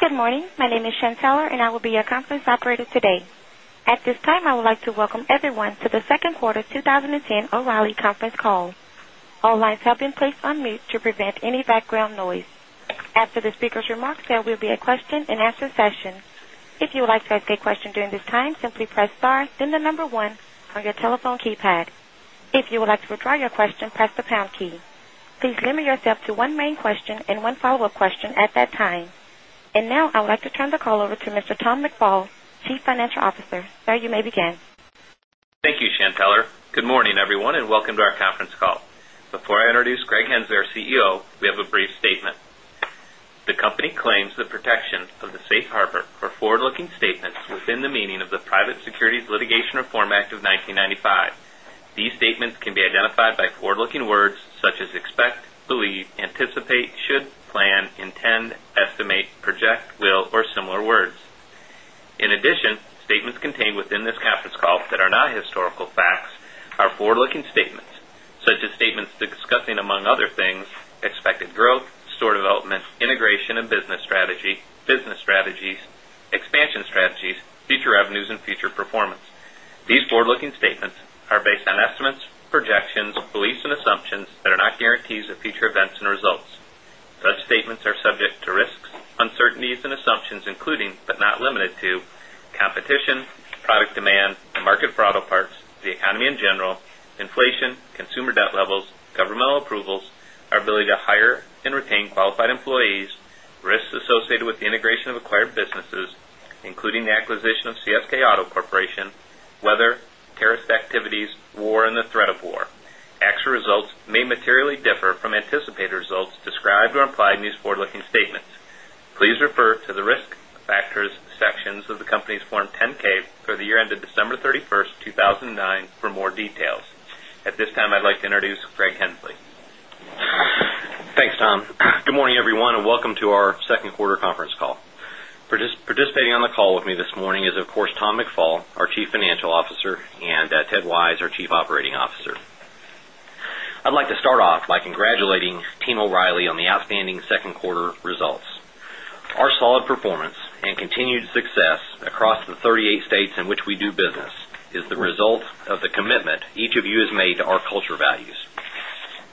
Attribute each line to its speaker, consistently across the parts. Speaker 1: Good morning. My name is Shanteller, and I will be your conference operator today. At this time, I would like to welcome everyone to the Second Quarter 2010 O'Reilly Conference Call. All lines have been placed on mute to prevent any background noise. After the speakers' remarks, there will be a question and answer session. And now, I would like to turn the call over to Mr. Tom McFall, Chief Financial Officer. Sir, you may begin.
Speaker 2: Thank you, Chantelle. Good morning, everyone, and welcome to our conference call. Before I introduce Greg Hensler, CEO, we have a brief statement. The company claims the protection of the Safe Harbor are forward looking statements within the meaning of the Private Securities Litigation Reform Act of 1995. These statements can be identified by forward looking words such as expect, believe, anticipate, should, plan, intend, estimate, project, will or similar words. In addition, statements contained within this conference call that are not historical facts are forward looking statements, such as statements discussing, among other things, expected growth, store development, integration and business strategy, business strategies, expansion strategies, future revenues and future performance. These forward looking statements are based on estimates, projections, beliefs and assumptions that are not guarantees of future events and results. Such statements are subject to risks, uncertainties and assumptions, including, but not limited to, competition, product demand, market for auto parts, the economy in general, inflation, consumer debt levels, governmental approvals, our ability to hire and retain qualified employees, risks associated with the integration of acquired businesses, including the acquisition of CSK Auto Corporation, weather, terrorist activities, war and the threat of war. Actual results may materially differ from anticipated results described or implied in these forward looking statements. Please refer to the Risk Factors sections of the company's Form 10 ks for the year ended December 31, 2009 for more details. At this time, I'd like to introduce Greg Hensley.
Speaker 3: Thanks, Tom. Good morning, everyone, and welcome to our Q2 conference call. Participating on the call with me this morning is of course Tom McFall, our Chief Financial Officer and Ted Wise, our Chief Operating Officer. I'd like to start off by congratulating Tim O'Reilly on the outstanding second quarter results. Our solid performance and continued success across the 38 states in which we do business is the result of the commitment each of you has made to our culture values.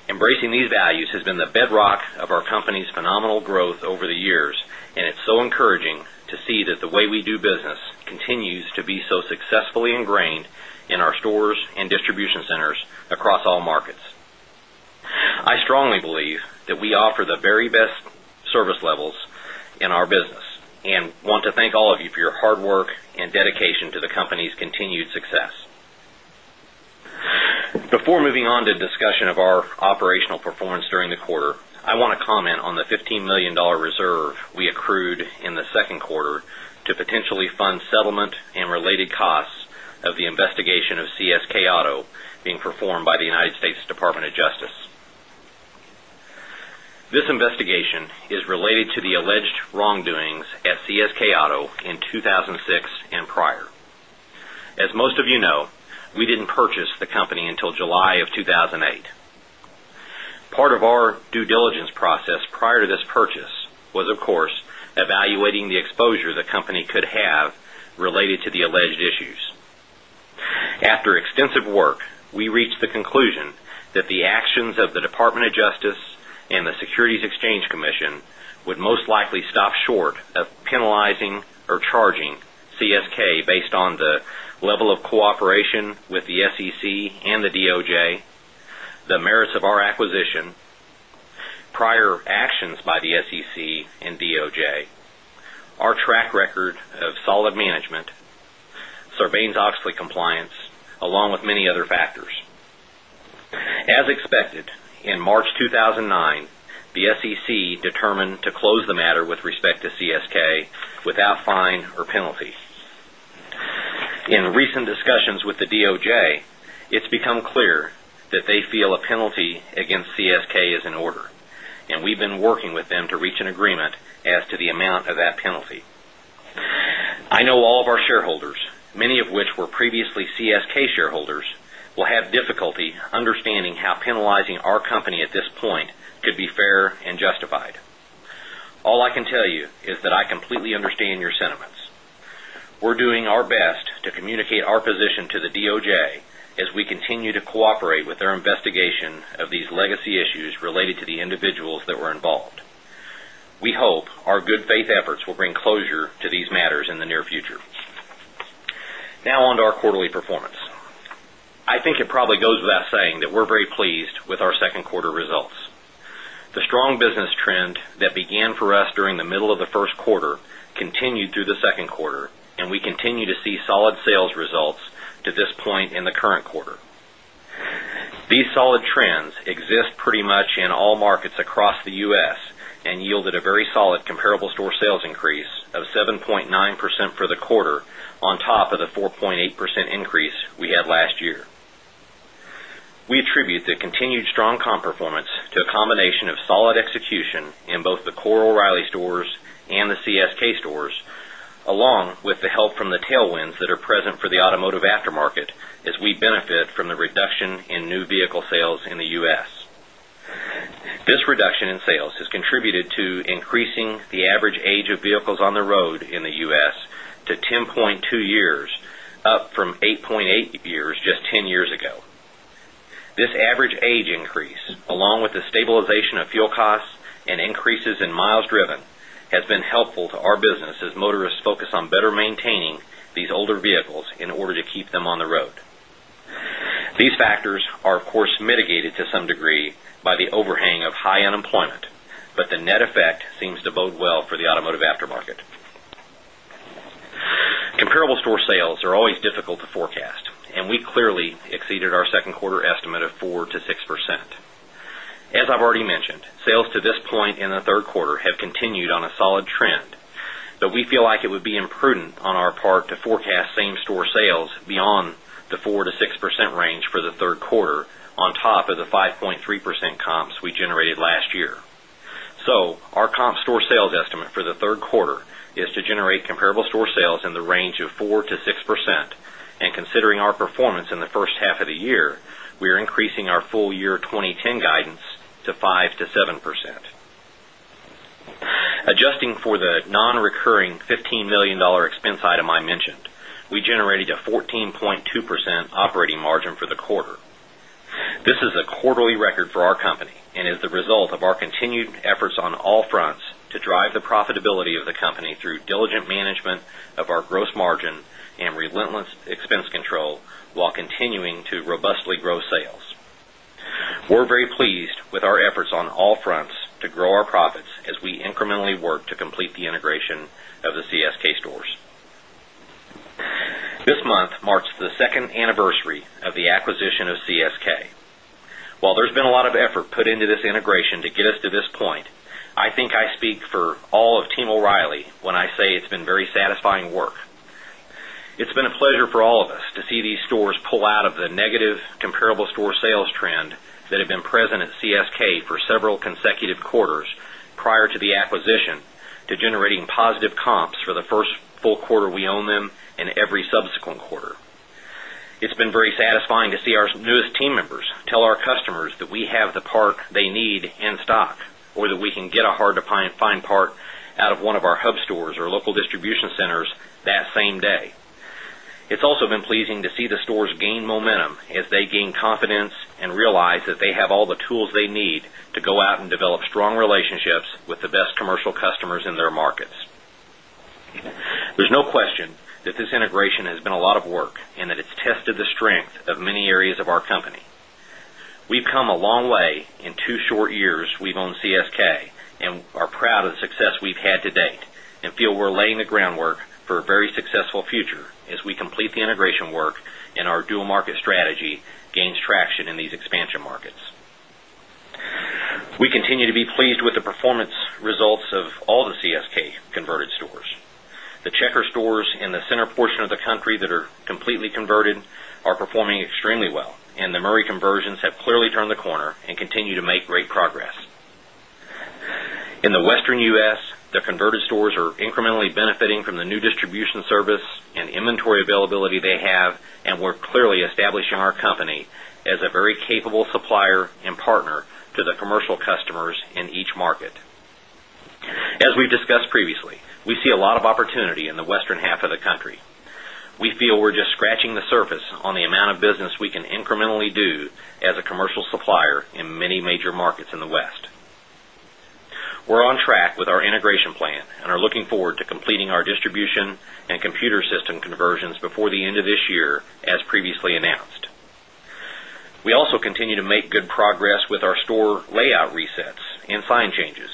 Speaker 3: Embracing these values has been the bedrock of our company's phenomenal growth over the years and it's so encouraging to see that the way we do business continues to be so successfully ingrained in our stores and distribution centers across all markets. I strongly believe that we offer the very best service levels in our business and want to thank all of you for your hard work and dedication to the company's continued success. Before moving on to discussion of our operational performance during the quarter, I want to comment on the $15,000,000 reserve we accrued in the 2nd quarter to potentially fund settlement and related costs of the investigation of CSK Auto being performed by the United States Department of Justice. This investigation is related to the alleged wrongdoings at CSK Auto in 2006 prior. As most of you know, we didn't purchase the company until July of 2,008. Part of our due diligence process prior to this purchase was of course evaluating the exposure the company could have related to the alleged issues. After extensive work, we reached the conclusion that the actions of the Department of Justice and the Securities Exchange Commission would most likely stop short of penalizing or charging CSK based on the level of cooperation with the SEC and the DOJ, the merits
Speaker 4: of our
Speaker 3: acquisition, prior actions by the SEC and DOJ, our track record of solid management, Sarbanes Oxley compliance along with many other factors. As expected, in March 2009, the SEC determined to close the matter with respect to CSK without fine or penalty. In recent discussions with the DOJ, it's become clear that they feel a penalty against CSK is in order, and we've been working with them to reach an agreement as to the amount of that penalty. I know all of our shareholders, many of which were previously CSK shareholders, will have difficulty understanding how penalizing our company at this point could be fair and justified. All I can tell you is that I completely understand your sentiments. We're doing our best to communicate our position to the DOJ as we continue to cooperate with their investigation of these legacy issues related to the individuals that were involved. We hope our good faith efforts will bring closure to these matters in the near future. Now on to our quarterly performance. I think it probably goes without saying that we're very pleased with our 2nd quarter results. The strong business trend that began for us during the middle of the first quarter continued through the second quarter and we continue to see solid sales results to this point in the current quarter. These solid trends exist pretty much in all markets across the U. S. And yielded a very solid comparable store sales increase of 7.9% for the quarter on top of the 4.8% increase we had last year. We attribute the continued strong comp performance to a combination of solid execution in both the core O'Reilly stores and the CSK stores, along with the help from the tailwinds that are present for the automotive aftermarket as we benefit from the reduction in new vehicle sales in the U. S. This reduction in sales has contributed to increasing the average age of vehicles on the road in the U. S. To 10.2 years, up from 8.8 years just 10 years ago. This average age increase, along with the stabilization of fuel costs and increases in miles driven, has been helpful to our business as motorists focus on better maintaining these older vehicles in order to keep them on the road. These factors are of course mitigated to some degree by the overhang of high unemployment, the net effect seems to bode well for the automotive aftermarket. Comparable store sales are always difficult to forecast and we clearly exceeded our 2nd quarter estimate of 4% to 6%. As I've already mentioned, sales to this point in the 3rd quarter have continued on a solid trend, but we feel like it would be imprudent on our part to forecast same store sales beyond the 4% to 6% range for the 3rd quarter on top of the 5.3% comps we generated last year. So our comp store sales estimate for the Q3 is to generate comparable store sales in the range of 4% to 6%. And considering our performance in the first half of the year, we are increasing our full year 2010 guidance to 5% to 7%. Adjusting for the non recurring $15,000,000 expense item I mentioned, we generated a 14.2% operating margin for the quarter. This is a quarterly record for our company and is the result of our continued efforts on all fronts to drive the profitability of the company through diligent management of our gross margin and relentless expense control, while continuing to robustly grow sales. We're very pleased with our efforts on all fronts to grow our profits as we incrementally work to complete the integration of the CSK stores. This month marks the 2nd anniversary of the acquisition of CSK. While there's been a lot of effort put into this integration to get us to this point, I think I speak for all of team O'Reilly when I say it's been very satisfying work. It's been a pleasure for all of us to see these stores pull out of the negative comparable store sales trend that have been present at CSK for several consecutive quarters prior to the acquisition to generating positive comps for the 1st full quarter we own them and every subsequent quarter. It's been very satisfying to see our newest team members tell our customers that we have the part they need in stock or that we can get a hard to find part out of 1 of our hub stores or local distribution centers that same day. It's also been pleasing to see the stores gain momentum as they gain confidence and realize that they have all the tools they need to go out and develop strong relationships with the best commercial customers in their markets. There's no question that this integration has been a lot of work and that it's tested the strength of many areas of our company. We've come a long way in 2 short years we've owned CSK and success we've had to date and feel we're laying the groundwork for a very successful future as we complete the integration work and our dual market strategy gains traction in these expansion markets. We continue to be pleased with the performance results of all the CSK converted stores. The Checker stores in the center portion of the country that are completely converted are performing extremely well and the Murray conversions have clearly turned the corner and continue to make great progress. In the Western U. S, the converted stores are incrementally benefiting from the new distribution service and inventory availability they have and we're clearly establishing our company as a very capable supplier and partner to the commercial customers in each market. As we've discussed previously, we see a lot of opportunity in the Western half of the country. We feel we're just scratching the surface on the amount of business we can incrementally do as a commercial supplier in many major markets in the West. We're on track with our integration plan and are looking forward to completing our distribution and computer system conversions before the end of this year as previously announced. We also continue to make good progress with our store layout resets and sign changes.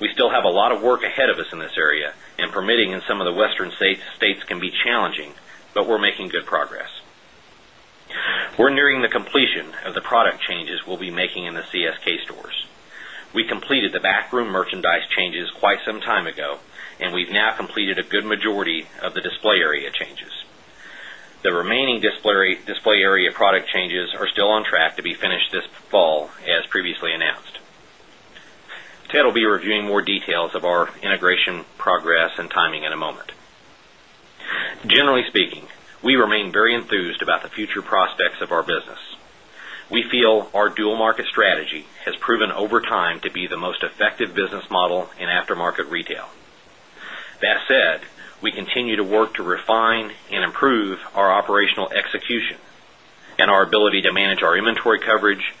Speaker 3: We still have a lot of work ahead of us in this area and permitting in some of the Western states can be challenging, but we're making good progress. We're nearing the completion of the product changes we'll be making in the CSK stores. We completed the backroom merchandise changes quite some time ago, and we've now completed a good majority of the display area changes. The remaining display area product changes are still on track to be finished this fall as previously announced. Ted will be reviewing more details of our integration progress and timing in a moment. Generally speaking, we remain very enthused about the future prospects of our business. We feel our dual market strategy has proven over time to be the most effective business model in aftermarket retail. That said, we continue to work to refine and improve our operational execution and our ability to manage our inventory coverage,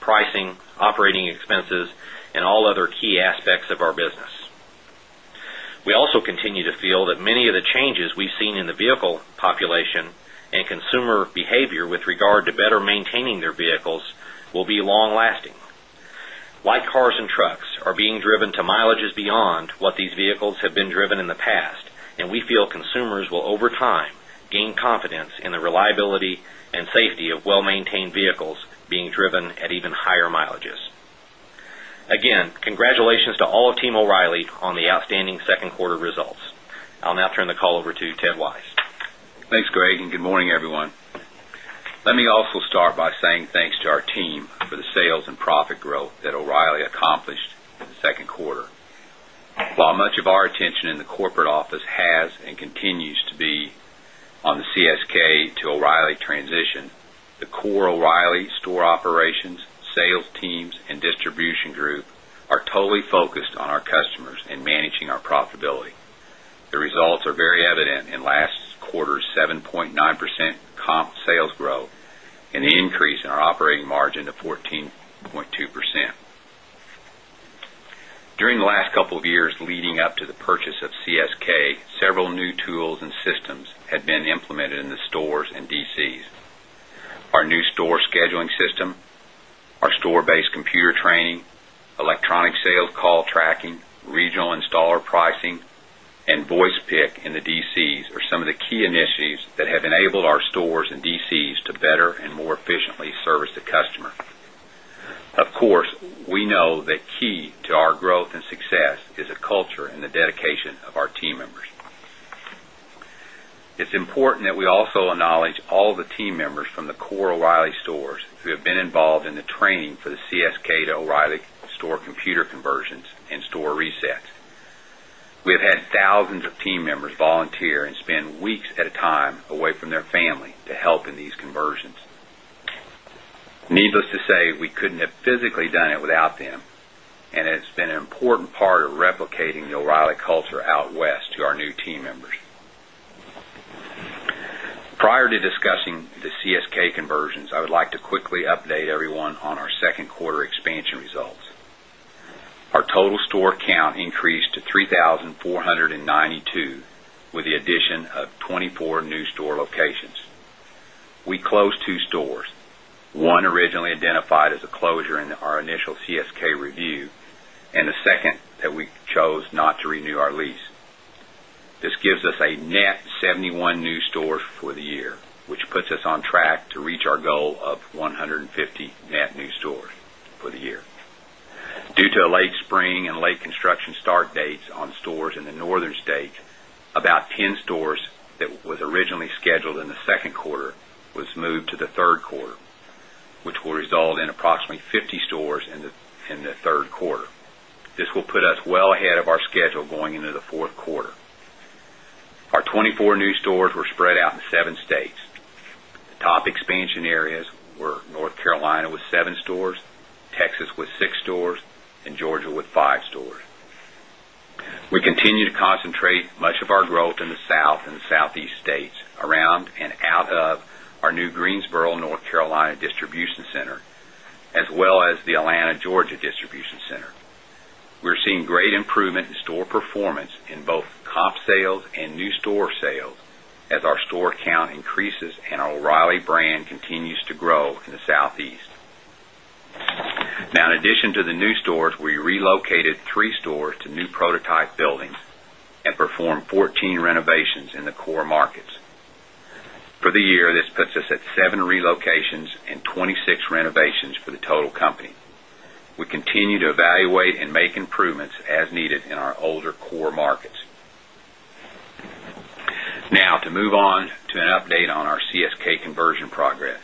Speaker 3: pricing, operating expenses and all other key aspects of our business. We also continue to feel that many of the changes we've seen in the vehicle population and consumer behavior with regard to better maintaining their vehicles will be long lasting. Driven to mileages beyond what these vehicles have been driven in the past, and we feel consumers will over time gain confidence in the reliability and safety of well maintained vehicles being driven at even higher mileages. Again, congratulations to all of team O'Reilly on the outstanding second quarter results. I'll now turn the call over to Ted Wise.
Speaker 4: Thanks, Greg, and good morning, everyone. Let me also start by saying thanks to our team for the sales and profit growth that O'Reilly accomplished in the Q2. While much of our attention in the corporate office has and continues to be on the CSK to O'Reilly transition, the core O'Reilly store operations, sales teams and distribution group are totally focused on our customers and managing our profitability. The results are very evident in last quarter's 7.9% comp sales growth and the increase in our operating margin of 14 0.2%. During the last couple of years leading up to the purchase of CSK, several new tools and systems had been implemented in the stores and DCs. Our new store scheduling system, our store based computer training, electronic sales call tracking, regional installer pricing and voice pick in the DCs are some of the key initiatives that have enabled our stores and DCs to better and more efficiently service the customer. Of course, we know that key to our growth and success is a culture and the dedication of our team members. It's important that we also acknowledge all the team members from the core O'Reilly stores who have been involved in the training for the CSK to O'Reilly store computer conversions and store resets. We have had thousands of team members volunteer and spend weeks at a time away from their family to help in these conversions. Needless to say, we couldn't have physically done it without them and it's been an important part of replicating the O'Reilly culture out west to our new team members. Prior to discussing the CSK conversions, I would like to quickly update everyone on our 2nd quarter expansion results. Our total store count increased to 3,492 with the addition of 24 new store locations. We closed 2 stores, one originally identified as a closure in our initial CSK review and the second that we chose not to renew our lease. This gives us a net 71 new stores for the year, which puts us on track to reach our goal of 150 net new stores for the year. Due to a late spring and late construction start dates on stores in the northern state, about 10 stores that was originally scheduled in the 2nd quarter was moved to the Q3, which will result in approximately 50 stores in the Q3. This will put us well ahead of our schedule going into the Q4. Our 24 new stores were spread out in 7 states. Top expansion areas were North Carolina with 7 stores, Texas with 6 stores and Georgia with 5 stores. We continue to concentrate much of our growth in the South and Southeast states around and out of our new Greensboro, North Carolina distribution center as well as the Atlanta, Georgia distribution center. We're seeing great improvement in store performance in both comp sales and new store sales as our store count increases and our O'Reilly brand continues to grow in the Southeast. Now in addition to the new stores, we relocated 3 stores to new prototype buildings and performed 14 renovations in the core markets. For the year, this puts us at 7 relocations and 26 renovations for the total company. We continue to evaluate and make improvements as needed in our older core markets. Now to move on to an update on our CSK conversion progress.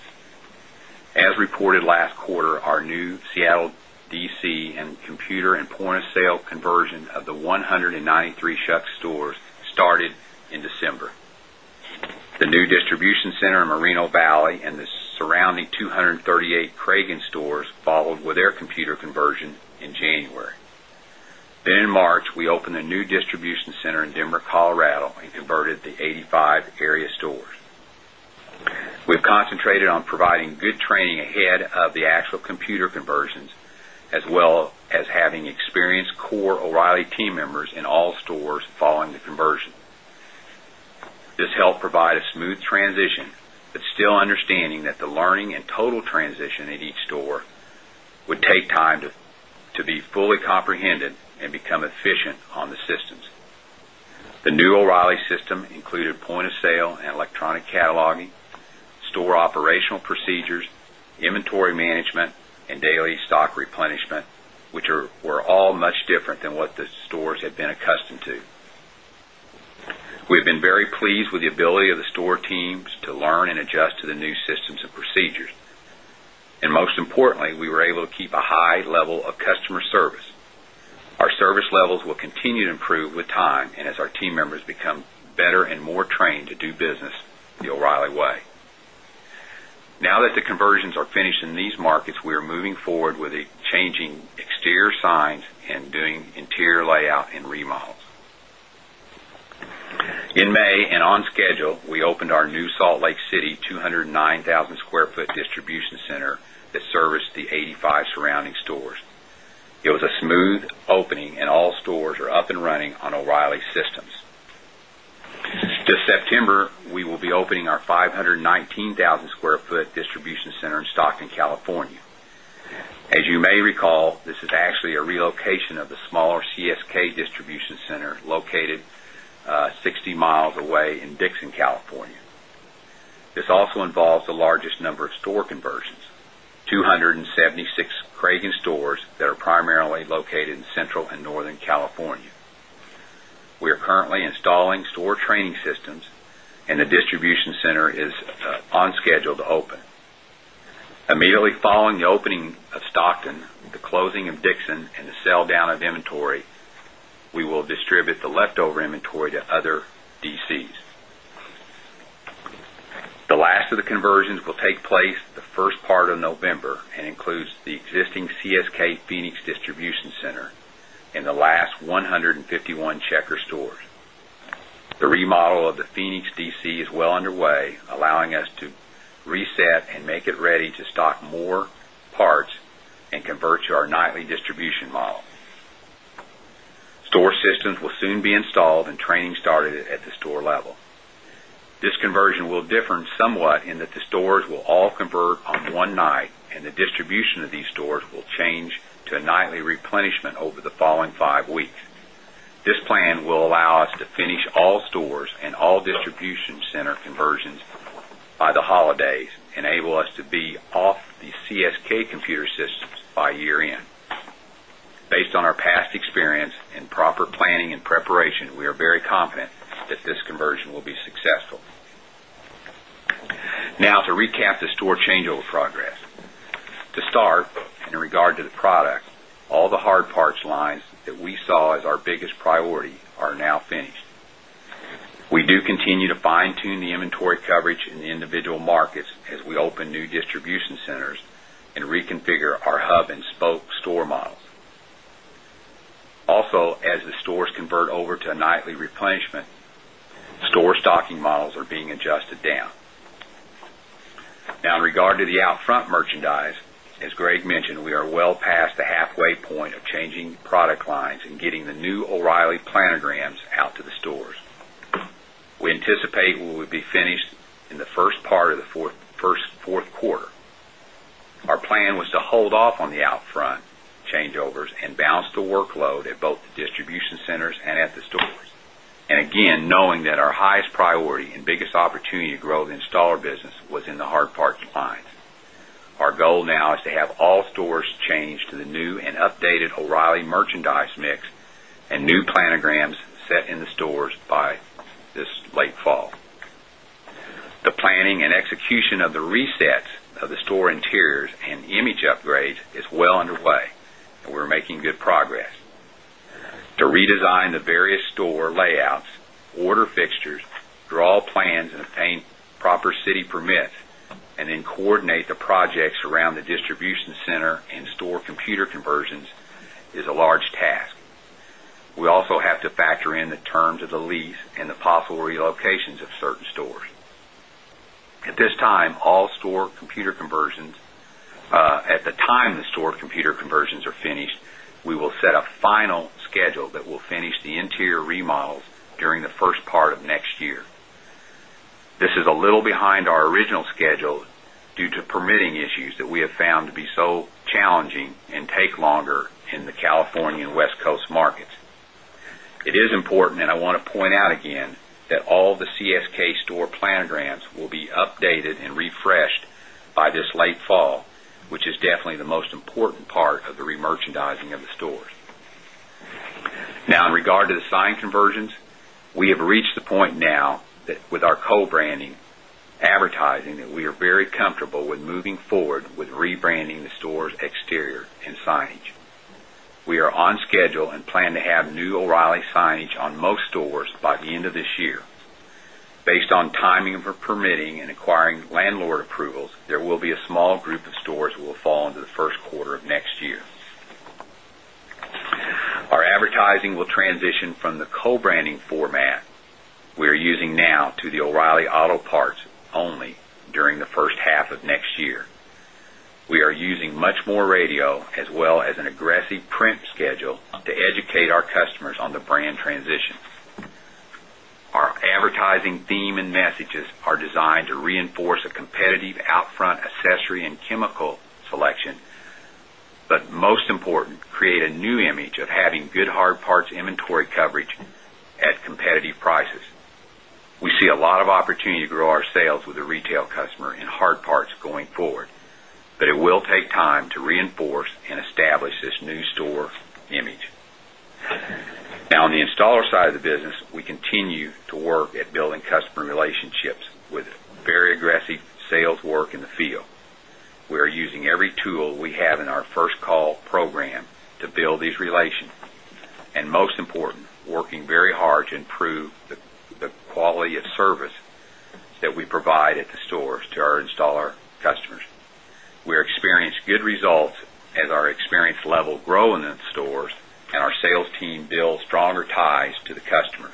Speaker 4: As reported last quarter, our new Seattle DC and computer and point of sale conversion of the 193 Shuck stores started in December. The new distribution center in Moreno Valley and the surrounding 238 Cragin stores followed with their computer conversion in January. Then in March, we opened a new distribution center in Denver, Colorado and converted the 85 area stores. We've concentrated on providing good training ahead of the actual computer conversions as well as having experienced core O'Reilly team members in all stores following the conversion. This helped provide a smooth transition, but still understanding that the learning and total transition in each store would take time to be fully comprehended and become efficient on the systems. The new O'Reilly system included point of sale and electronic cataloging, store operational procedures, inventory management and daily stock replenishment, which were all much different than what the stores had been accustomed to. We have been very pleased with the ability of the store teams to learn and adjust to the new systems and procedures. And most importantly, we were able to keep a high level of customer service. Our service levels will continue to improve with time and as our team members become better and more trained to do business the O'Reilly way. Now that the conversions are finished in these markets, we are moving forward with changing exterior signs and doing interior layout and remodels. In May and on schedule, we opened our new Salt Lake City 209,000 Square Foot Distribution Center that serviced the 85 surrounding stores. It was a smooth opening and all stores are up and running on O'Reilly systems. This September, we will be opening our 519,000 square foot distribution center in Stockton, California. As you may recall, this is actually a relocation of the smaller CSK distribution center located 60 miles away in Dixon, California. This also involves the largest number of store conversions, 276 Krogan stores that are primarily located in Central and Northern California. We are currently installing store training systems and the distribution center is on schedule to open. Immediately following the opening of Stockton, the closing of Dixon and the sell down of inventory, we will distribute the leftover inventory to other DCs. The last of the conversions will take place the 1st part of November and includes the existing CSK Phoenix distribution center and the last 151 Checker stores. The remodel of the Phoenix DC is well underway allowing us to reset and make it ready to stock more parts and convert to our nightly distribution model. Store systems will soon be installed and training started at the store level. This conversion will differ somewhat in that the stores will all convert on 1 night and the distribution of these stores will change to a nightly replenishment over the following 5 weeks. This plan will allow us to finish all stores and all distribution center conversions by the holidays, enable us to be off the CSK computer systems by year end. Based on our past experience and proper planning and preparation, we are very confident that this conversion will be successful. Now to recap the store changeover progress. To start, in regard to the product, all the hard parts lines that we saw as our biggest priority are now finished. We do continue to fine tune the inventory coverage in the individual markets as we open new distribution centers and reconfigure our hub and spoke store models. Also, as the stores convert over to a nightly replenishment, store stocking models are being adjusted down. Now, in regard to the out front merchandise, as Greg mentioned, we are well past the halfway point of changing product lines and getting the new O'Reilly planograms out to the stores. We anticipate we will be finished in the 1st part of the Q4. Our plan was to hold off on the out front changeovers and balance the workload at both the distribution centers and at the stores. And again, knowing that our highest priority and biggest opportunity to grow the installer business was in the hard part decline. Our goal now is to have all stores changed to the new and updated O'Reilly merchandise mix and new planograms set in the stores by this late fall. The planning and execution of the resets of the store interiors and image upgrades is well underway and we're making good progress. To redesign the various store layouts, order fixtures, draw plans and obtain proper city permits and then coordinate the projects around the distribution center and store computer conversions is a large task. We also have to factor in the terms of the lease and the possible relocations of certain stores. At this time, all store computer conversions at the time the store computer conversions are finished, we will set a final schedule that will finish the interior remodels during the 1st part of next year. This is a little behind our original schedule due to permitting issues that we have found to be so challenging and take longer in the California and West Coast markets. It is important and I want to point out again that all the CSK store planograms will be updated and refreshed by this late fall, which is definitely the most important part of the remerchandising of the stores. Now in regard to the sign conversions, we have reached the point now that with our co branding advertising that we are very comfortable with moving forward with rebranding the store's exterior and signage. We are on schedule and plan to have new O'Reilly signage on most stores by the end of this year. Based on timing of permitting and acquiring landlord approvals, there will be a small group of stores will fall into the Q1 of next year. Our advertising will transition from the co branding format we are using now to the O'Reilly Auto Parts only during the first half of next year. We are using much more radio as well as an aggressive print schedule to educate our customers on the brand transition. Our advertising theme and messages are designed to reinforce a competitive out front accessory and chemical selection, but most important create a new image of having good hard parts inventory coverage at competitive prices. We see a lot of opportunity to grow our sales with the retail customer in hard parts going forward, but it will take time to reinforce and establish this new store image. Now on the installer side of the business, we continue to work at building customer relationships with very aggressive sales work in the field. We are using every tool we have in our 1st call program to build these relations, and most important, working very hard to improve the quality of service that we provide at the stores to our installer customers. We experienced good results as our experience level grow in the stores and our sales team builds stronger ties to the customer.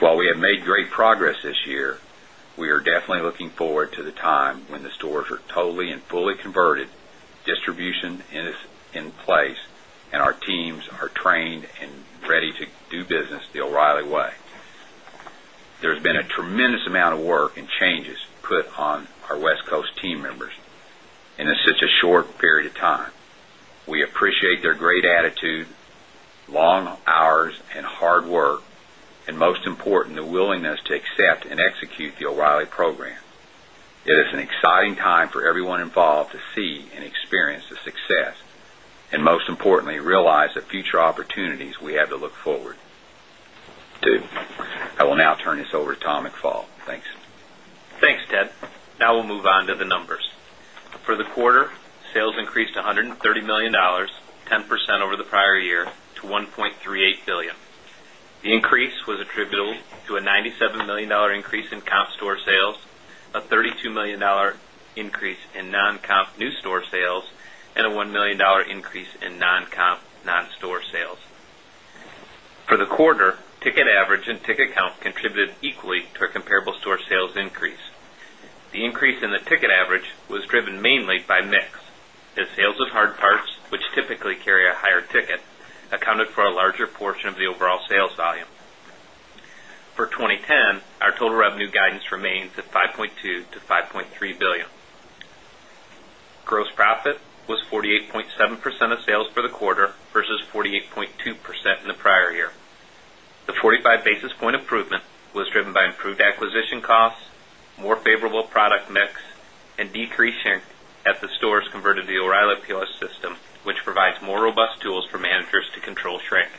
Speaker 4: While we have made great progress this year, are definitely looking forward to the time when the stores are totally and fully converted, distribution is in place and our teams are trained and ready to do business the O'Reilly way. There's been a tremendous amount of work and changes put on our West Coast team members and it's such a short period of time. We appreciate their great attitude, long hours and hard work and most important the willingness to accept and execute the O'Reilly program. It is an exciting time for everyone involved to see and experience the success and most importantly, realize the future opportunities we have to look forward to. I will now turn
Speaker 2: this over to Tom McFall. Thanks. Thanks, Ted. Now we'll move on to the numbers. For the quarter, sales increased $130,000,000 10% over the prior year to $1,380,000,000 The increase was attributable to a $97,000,000 increase in comp store sales, a $32,000,000 increase in non comp new store sales and a $1,000,000 increase in non comp non store sales. For the quarter, ticket average and ticket count contributed equally to our comparable store sales increase. The increase in the ticket average was driven mainly by mix as sales of hard parts which typically carry a higher ticket accounted for a larger portion of the overall sales volume. For 2010, our total revenue guidance remains at $5,200,000,000 to $5,300,000,000 Gross profit was 48.7 percent of sales for the quarter versus 48.2% in the prior year. The 45 basis point improvement was driven by improved acquisition costs, more favorable product mix and decreased shrink at the stores converted to the O'Reilly POS system, which provides more robust tools for managers to control shrink.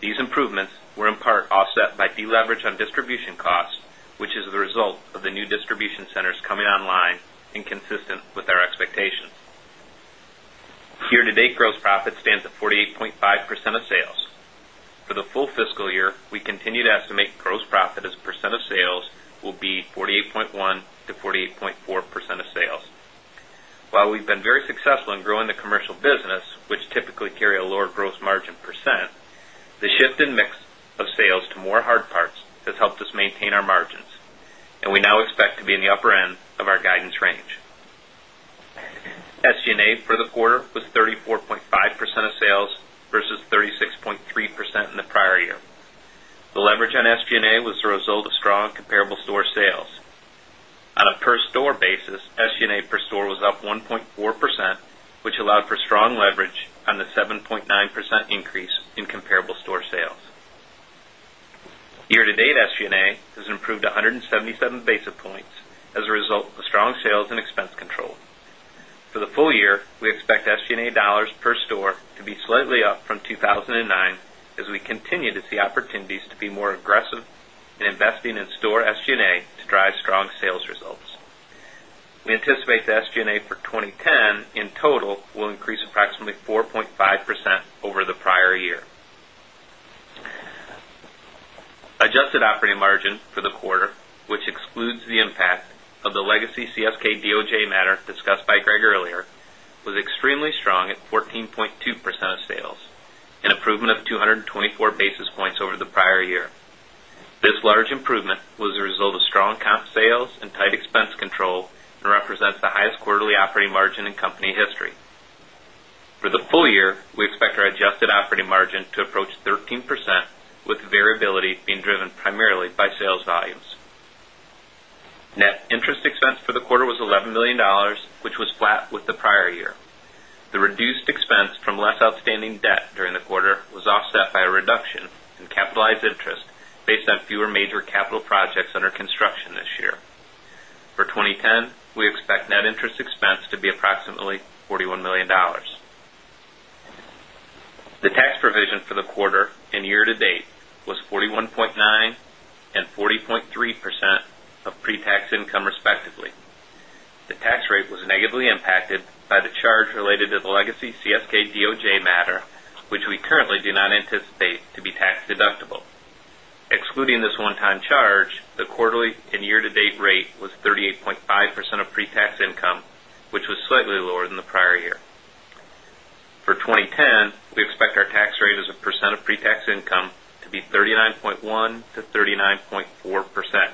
Speaker 2: These improvements were in part offset by deleverage on distribution costs, which is the result of the new distribution centers coming online and consistent with our expectations. Year to date gross profit stands at 48.5 percent of sales. For the full fiscal year, we continue to estimate gross profit as a percent of sales will be 48.1% to 48.4% of sales. While we've been very successful in growing the commercial business, which typically carry a lower gross margin percent, the shift in mix of sales to more hard parts has helped us maintain our margins and we now expect to be in the upper end of our guidance range. SG and A for the quarter was 34.5 percent of sales versus 36.3% in the prior year. The leverage on SG and A was the result of strong comparable store sales. On a per store basis, SG and A per store was up 1.4 percent which allowed for strong leverage on the 7.9% increase in comparable store sales. Year to date SG and A has improved 177 basis points as a result of strong sales and expense control. For the full year, we expect SG and A dollars per store to be slightly up from 2,009 as we continue to see opportunities to be more aggressive in investing in store SG and A to drive strong sales results. We anticipate the SG and A for 2010 in total will increase approximately 4.5% over the prior year. Adjusted operating margin for the quarter, which excludes the impact of the legacy CSK DOJ matter discussed by Greg earlier, was extremely strong at 14.2 percent of sales, an improvement of 2 24 basis points over the prior year. This large improvement was a result of strong comp sales and tight expense control and represents the highest quarterly operating margin in company history. For the full year, we expect our adjusted operating margin to approach 13% with variability being driven primarily by sales volumes. Net interest expense for the quarter was $11,000,000 which was flat with the prior year. The reduced expense from less outstanding debt during the quarter was offset by a reduction in capitalized interest based on fewer major capital projects under construction this year. For 2010, we expect net interest expense to be approximately $41,000,000 The tax provision for the quarter year to date was 41.9% and 40.3% of pre tax income respectively. The tax rate was negatively impacted by the charge related to the legacy CSK DOJ matter, which we currently do not anticipate to be tax deductible. Excluding this one time charge, the quarterly and year to date rate was 38.5 percent of pre tax income, which was slightly lower than the prior year. For 2010, we expect our tax rate as a percent of pre tax income to be 39.1% to 39.4%.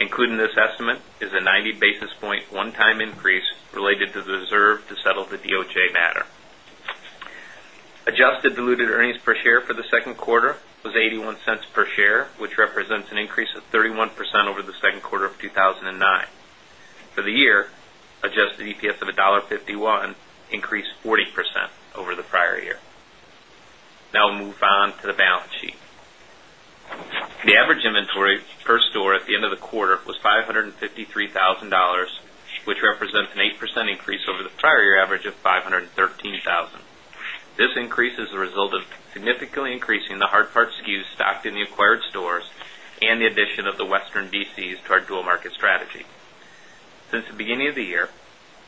Speaker 2: Including this estimate is a 90 basis point one time increase related to the reserve to settle the DOJ matter. Adjusted diluted earnings per share for the 2nd quarter was $0.81 per share which represents an increase of 31% over the Q2 of 2009. For the year adjusted EPS of 1.51 increased 40% over the prior year. Now move on to the balance sheet. The average inventory per store at the end of the quarter was $553,000 which represents an 8% increase over the prior year average of 513,000. This increase is a result of significantly increasing the hard part SKUs stocked in the acquired stores and the addition of the Western DCs to our dual market strategy. Since the beginning of the year,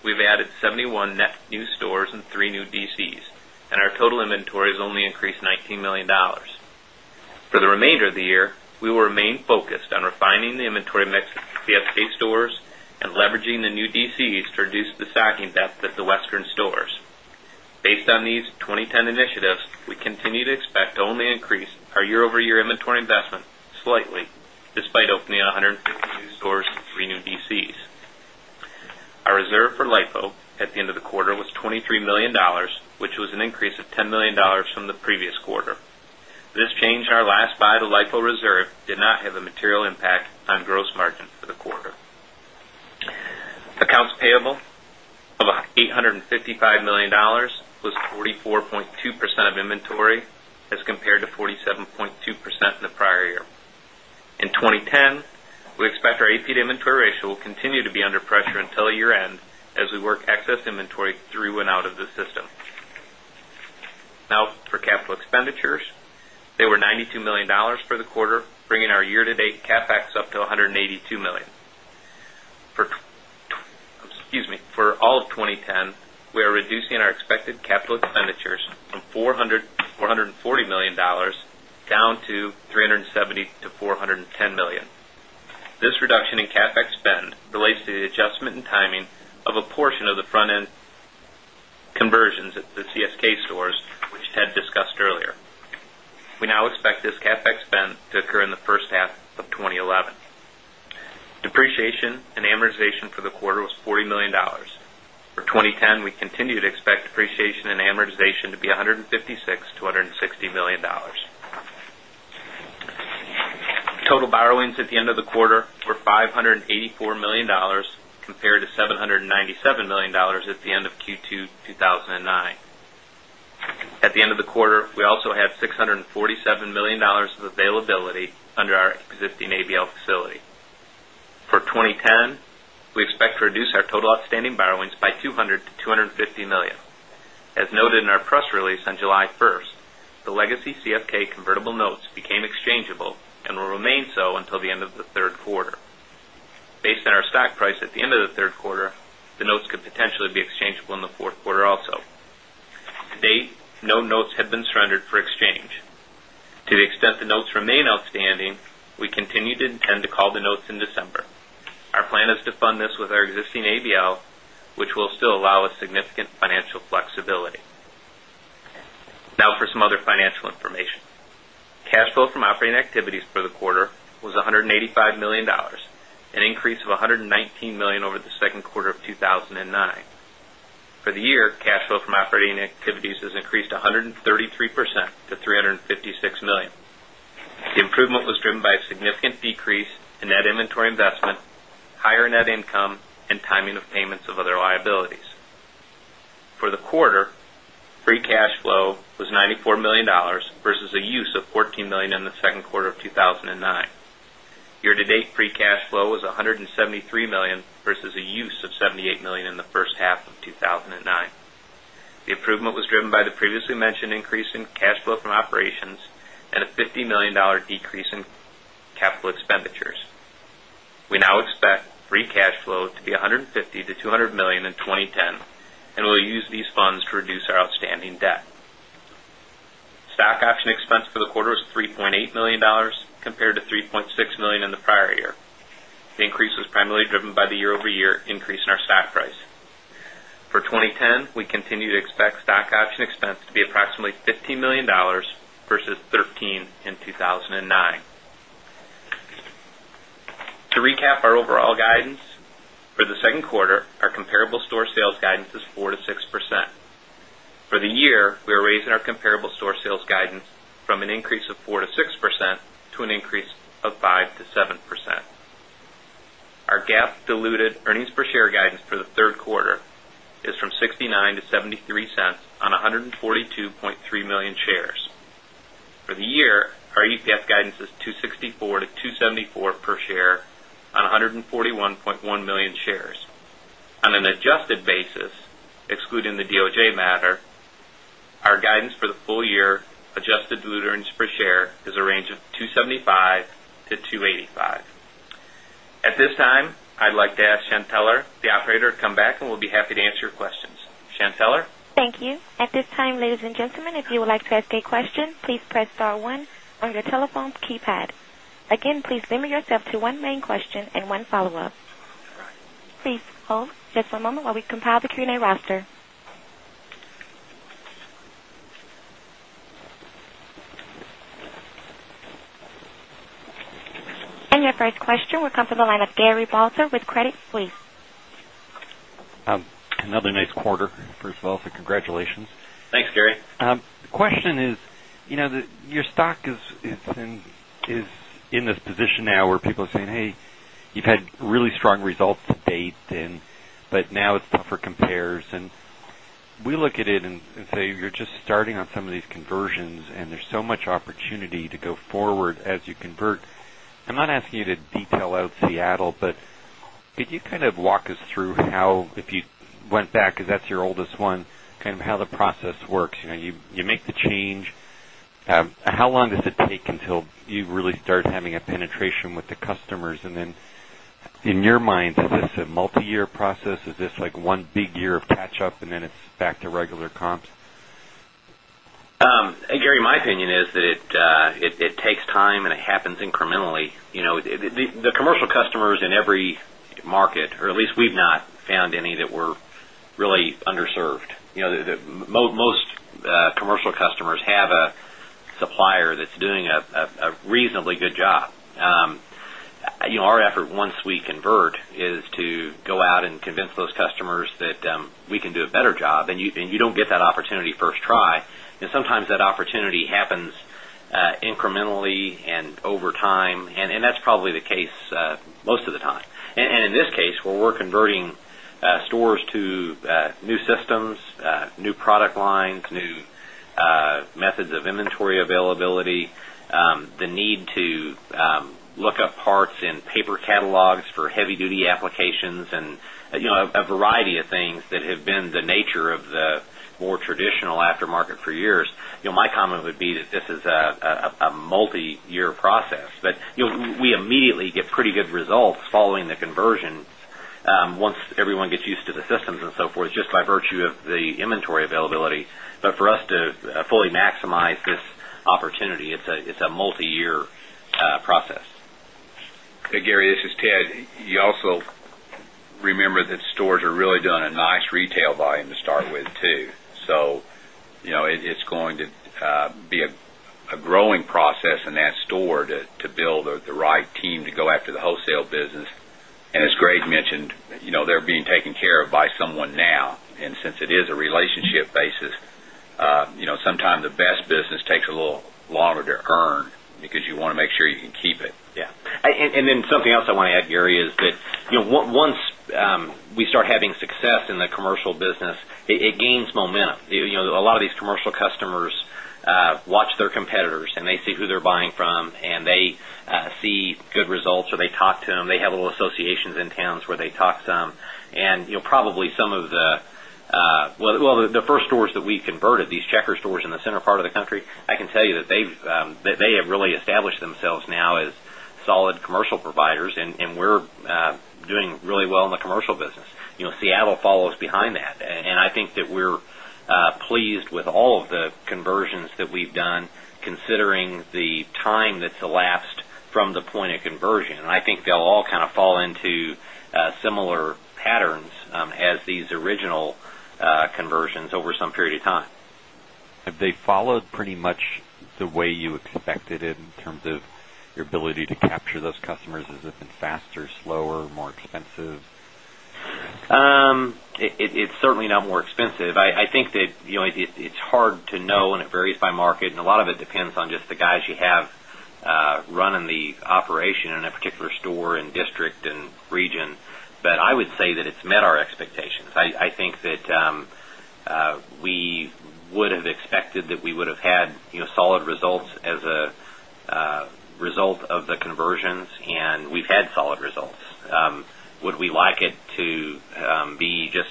Speaker 2: we've added 71 net new stores and 3 new DCs and our total inventory has only increased $19,000,000 For the remainder of the year, we will remain focused on refining the inventory mix at the SK stores and leveraging the new DCs to reduce the stocking depth at the Western stores. Based on these 2010 initiatives, we continue to expect to only increase our year over year inventory investment slightly despite opening 150 new stores and 3 new DCs. Our reserve for LIFO at the end of the quarter was $23,000,000 which was an increase of $10,000,000 from the previous quarter. This change in our last buy to LIFO reserve did not have a material impact on gross margin for the quarter. Accounts payable of $855,000,000 was 44.2 percent of inventory as compared to 47.2% in the prior year. In 2010, we expect our AP to inventory ratio will continue to be under pressure until year end as we work excess inventory through and out of the system. Now for capital expenditures, they were $92,000,000 for the quarter, bringing our year to date CapEx up to $182,000,000 For all of 2010, we are reducing our expected capital expenditures from $440,000,000 down to $370,000,000 to $410,000,000 This reduction in CapEx spend relates to the adjustment in timing of a portion of the front end conversions at the CSK stores, which Ted discussed earlier. We now expect this CapEx spend to occur in the first half of twenty eleven. Depreciation and amortization for the quarter was $40,000,000 For 2010, we continue to expect depreciation and amortization to be $156,000,000 to $160,000,000 Total borrowings at the end of the quarter were $584,000,000 compared to $797,000,000 at the end of Q2, 2009. At the end of the quarter, we also had $647,000,000 of availability under our existing ABL facility. For 2010, we expect to reduce our total outstanding borrowings by $200,000,000 to 250,000,000 dollars As noted in our press release on July 1, the legacy CFK convertible notes became exchangeable and will remain so until the end of Q3. Based on our stock price at the end of Q3, the notes could potentially be exchangeable in the Q4 also. To date, no notes have been surrendered for exchange. To the extent the notes remain outstanding, we continue to intend to call the notes in December. Our plan is to fund this with our existing ABL, which will still allow us significant financial flexibility. Now for some other financial information. Cash flow from operating activities for the quarter was $185,000,000 an increase of $119,000,000 over the Q2 of 2,009. For the year, cash flow from operating activities has increased 133 percent to $356,000,000 The improvement was driven by a significant decrease in net inventory investment, higher net income and timing of payments of other liabilities. For the quarter, free cash flow was $94,000,000 versus a use of $14,000,000 in the Q2 of 2009. Year to date free cash flow was $173,000,000 versus a use of $78,000,000 in the first half of 2,009. The improvement was driven by the previously mentioned increase in cash flow from operations and a $50,000,000 decrease in capital expenditures. We now expect free cash flow to be $150,000,000 to $200,000,000 in 20.10 and we'll use these funds to reduce our outstanding debt. Stock option expense for the quarter was $3,800,000 compared to $3,600,000 in the prior year. The increase was primarily driven by the year over year increase in our stock price. For 2010, we continue to expect stock option expense to be approximately $15,000,000 versus $13,000,000 in 2,009. To recap our overall guidance, for the Q2, our comparable store sales guidance is 4% to 6%. For the year, we are raising our comparable store sales guidance from an increase of 4% to 6% to an increase of 5% to 7%. Our GAAP diluted earnings per share guidance for the 3rd quarter is from $0.69 to $0.73 on 142,300,000 shares. For the year, our EPS guidance is $2.64 to $2.74 per share on 141,100,000 shares. On an adjusted basis excluding the DOJ matter, our guidance for the full year adjusted diluted earnings per share is a range of $2.75 to 2.85. Dollars At this time, I'd like to ask Shanteler, the operator to come back and we'll be happy to answer your questions. Shanteler?
Speaker 1: Thank you. And your first question will come from the line of Gary Bauza with Credit Suisse.
Speaker 5: Another nice quarter. First of all, so congratulations.
Speaker 2: Thanks, Gary.
Speaker 6: The question is, your stock is
Speaker 5: in this position now where people are saying, hey, you've had really strong results to date and but now it's tougher compares. And we look at it and say you're just starting on some of these conversions and there's so much opportunity to go forward as you convert. Not asking you to detail out Seattle, but could you kind of walk us through how if you went back, because that's your oldest one, kind of how the process works? You make the change. How long does it take until you really start having a penetration with the customers? And then in your mind, is this a multi year process? Is this like one big year of catch up and then it's back to regular comps?
Speaker 3: Gary, my opinion is that it takes time and it happens incrementally. The commercial customers in every market or at least we've not found any that were really underserved. Most commercial customers have a supplier that's doing a reasonably good job. Our effort once we convert is to go out and convince those customers that we can do a better job and you don't get that opportunity first try. And sometimes that opportunity happens incrementally and over time and that's probably the case most of the time. And in this case, we're converting stores to new systems, new product lines, new methods of inventory availability, the need to look up parts in paper catalogs for heavy duty applications and a variety of things that have been the nature of the more traditional aftermarket for years, my comment would be that this is a multi year process. But we immediately get pretty good results following the conversion once everyone gets used to the systems and so forth
Speaker 2: just by virtue of the inventory availability.
Speaker 3: But for us to fully maximize this opportunity, it's a multi year process.
Speaker 4: Hey, Gary, this is Ted. You also remember that stores are really doing a nice retail volume to start with too. So it's going to be a growing process in that store to build the right team to go after the wholesale business. As Greg mentioned, they're being taken care of by someone now. And since it is a relationship basis, sometimes the best business takes a little longer to earn because you want to make sure you can keep it.
Speaker 3: Yes. And then something else I want to add, Gary, is that once we start having success in the commercial business, it gains momentum. A lot of these commercial customers watch their competitors and they see who they're buying from and they see good results or they talk to them. They have little associations in towns where they talk to them. And or they talk to them. They have little associations in towns where they talk some. And probably some of the well, the first stores that we converted, these Checkers stores in the center part of the country, I can tell you that they have really established themselves now as solid commercial providers and we're doing really well in the commercial business. Seattle follows behind that and I think that we're pleased with all of the conversions that we've done considering the time that's elapsed from the point of conversion. And I think they'll all kind of fall into similar patterns as these original conversions over some period of time.
Speaker 5: Have they followed pretty much the way you expected it in terms of your ability to capture those customers? Has it been faster, slower, more expensive?
Speaker 3: It's certainly not more expensive. I think that it's hard to know and it varies by market. And a lot of it depends on just the guys you have running the operation in a particular store and district and region. But I would say that it's met our expectations. I think that we would have expected that we would have had solid results as a result of the conversions and we've had solid results. Would we like it to be just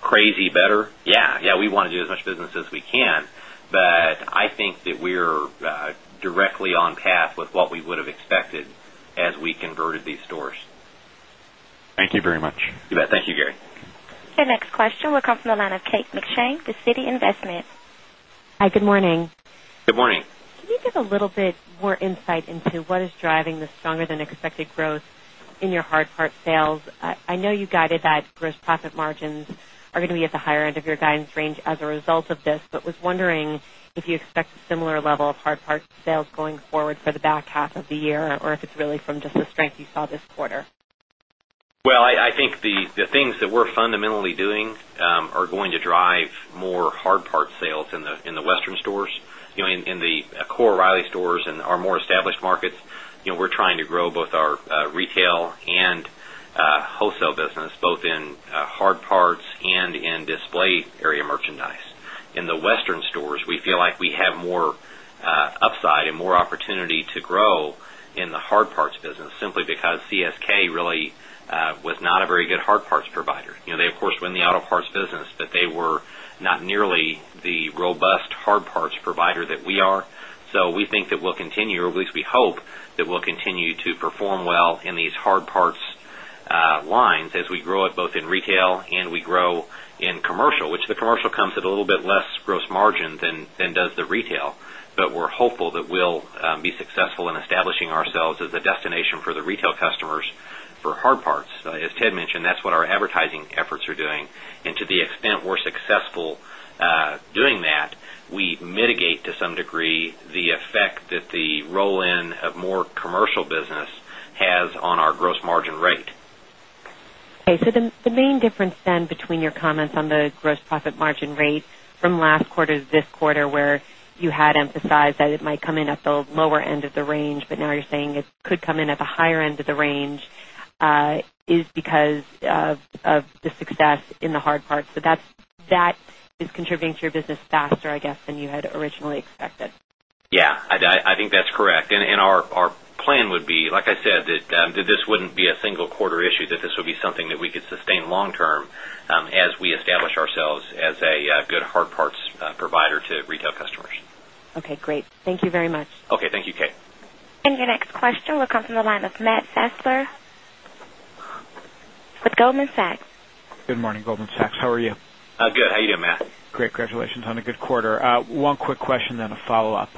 Speaker 3: crazy better? Yes, we want to do as much business as we can, but I think that we are directly on path with what we would have expected as we converted these stores.
Speaker 5: Thank you very much.
Speaker 2: You bet. Thank you, Gary.
Speaker 1: Your next question will come from the line of Kate McShane with Citi Investment.
Speaker 7: Hi, good morning.
Speaker 2: Good morning.
Speaker 7: Can you give a little bit more insight into what is driving the stronger than expected growth in your hard part sales? I know you guided that gross profit margins are going to be at the higher end of your guidance range as a result of this, but was wondering if you expect a similar level of hard part sales going forward for the back half of the year or if it's really from just the strength you saw this quarter?
Speaker 3: Well, I think the things that we're fundamentally doing are going to drive more hard part sales in the Western stores. In the core O'Reilly stores and our more established markets, we're trying to grow both our retail and wholesale business, both in hard parts and in display area merchandise. In the Western stores, we feel like we have more upside and more opportunity to grow in the hard parts business simply because CSK really was not a very good hard parts provider. They, of course, were in the auto parts business, but they were not nearly the robust hard parts provider that we are. So we think that we'll continue or at least we hope that we'll continue to perform well in these hard parts lines as we grow it both in retail and we grow in commercial, which the commercial comes at a little bit less gross margin than does the retail, but we're hopeful that we'll be successful in establishing ourselves as a destination for the retail customers for hard parts. As Ted mentioned, that's what our advertising efforts are doing. And to the extent we're successful doing that, we mitigate to some degree the effect that the roll in of more commercial business has on our gross margin rate.
Speaker 7: Okay. So the main difference then between your comments on the gross profit margin rate from last quarter to this quarter where you had emphasized that it might come in at the lower end of the range, but now you're saying it could come in at the higher end of the range is because of the success in the hard part. So that is contributing to your business faster, I guess, than you had originally expected?
Speaker 3: Yes. I think that's correct. And our plan would be, like
Speaker 2: I said, that this wouldn't be
Speaker 3: a single quarter issue that this would be something that we could sustain long term as we establish ourselves as a good hard parts provider to retail customers.
Speaker 7: Okay, great.
Speaker 1: And your next question will come from the line of Matt Sessler with Goldman Sachs.
Speaker 8: Good quarter. One quick question and then a follow-up.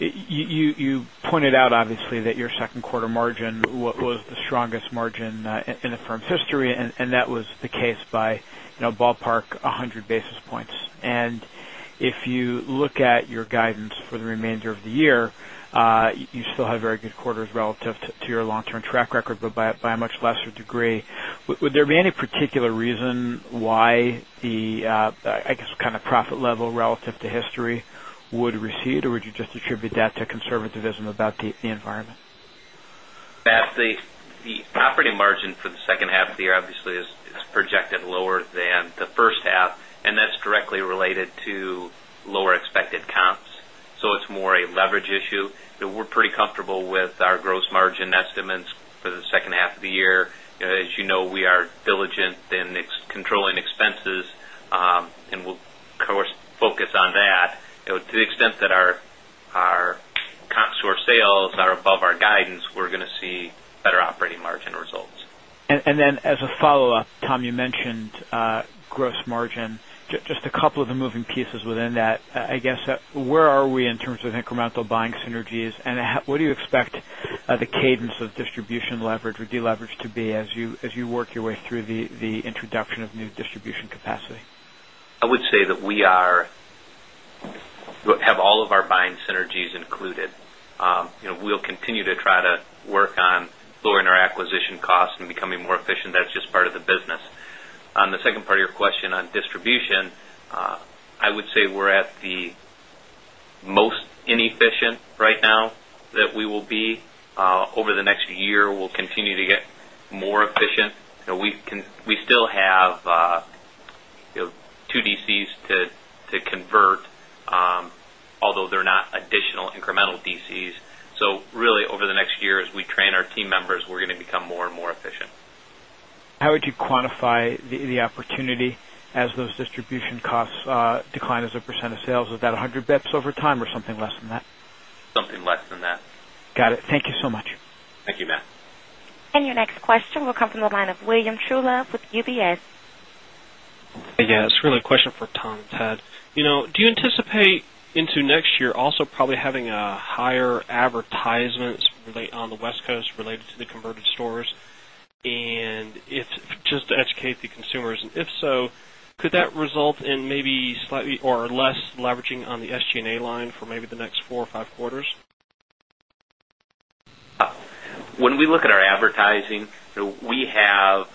Speaker 8: You pointed out obviously that your second quarter margin was the strongest margin in the firm's history and that was the case by ballpark 100 basis points. And if you look at your guidance for the remainder of the year, you still have very good quarters relative to your long term track record, but by a much lesser degree. Would there be any particular reason why the I guess kind of profit level relative to history would recede or would you just attribute that to conservatism about the environment?
Speaker 2: That's the operating margin for the second half of the year obviously is projected lower than the first half and that's directly related to lower expected comps. So it's more a leverage issue. We're pretty comfortable with our gross margin estimates for the second half of the year. As you we are diligent in controlling expenses and we'll of course focus on that. To the extent that our comp store sales are above our guidance, we're going to see better operating margin results.
Speaker 8: And then as a follow-up, Tom, you mentioned gross margin. Just a couple of the moving pieces within that. I guess, where are we in terms of incremental buying synergies? And what do you expect the cadence of distribution leverage or deleverage to be as you work your way through the introduction of new distribution capacity?
Speaker 2: I would say that we are have all of our buying synergies included. We'll continue to try to work on lowering our acquisition costs and becoming more efficient. That's just part of the business. On the second part of your question on distribution, I would say we're at the most inefficient right now that we will be over the next year, we'll continue to get more efficient. We still have 2 DCs to convert, although they're not additional incremental DCs. So really over the next year as we train our team members, we're going to become more and more efficient.
Speaker 8: How would you quantify the opportunity as those distribution costs decline as a percent of sales, is that 100 bps over time or something less than
Speaker 2: Something less than that.
Speaker 8: Got it. Thank you so much.
Speaker 2: Thank you, Matt.
Speaker 1: And your next question will come from the line of William Chulah with UBS.
Speaker 9: Yes. Really a question for Tom Tett. Do you anticipate into next year also probably having higher advertisements on the West Coast related to the converted stores? And if just to educate the consumers, and if so, could that result in maybe slightly or less leveraging on the SG and A line for maybe the next 4 or 5 quarters?
Speaker 2: When we look at our advertising, we have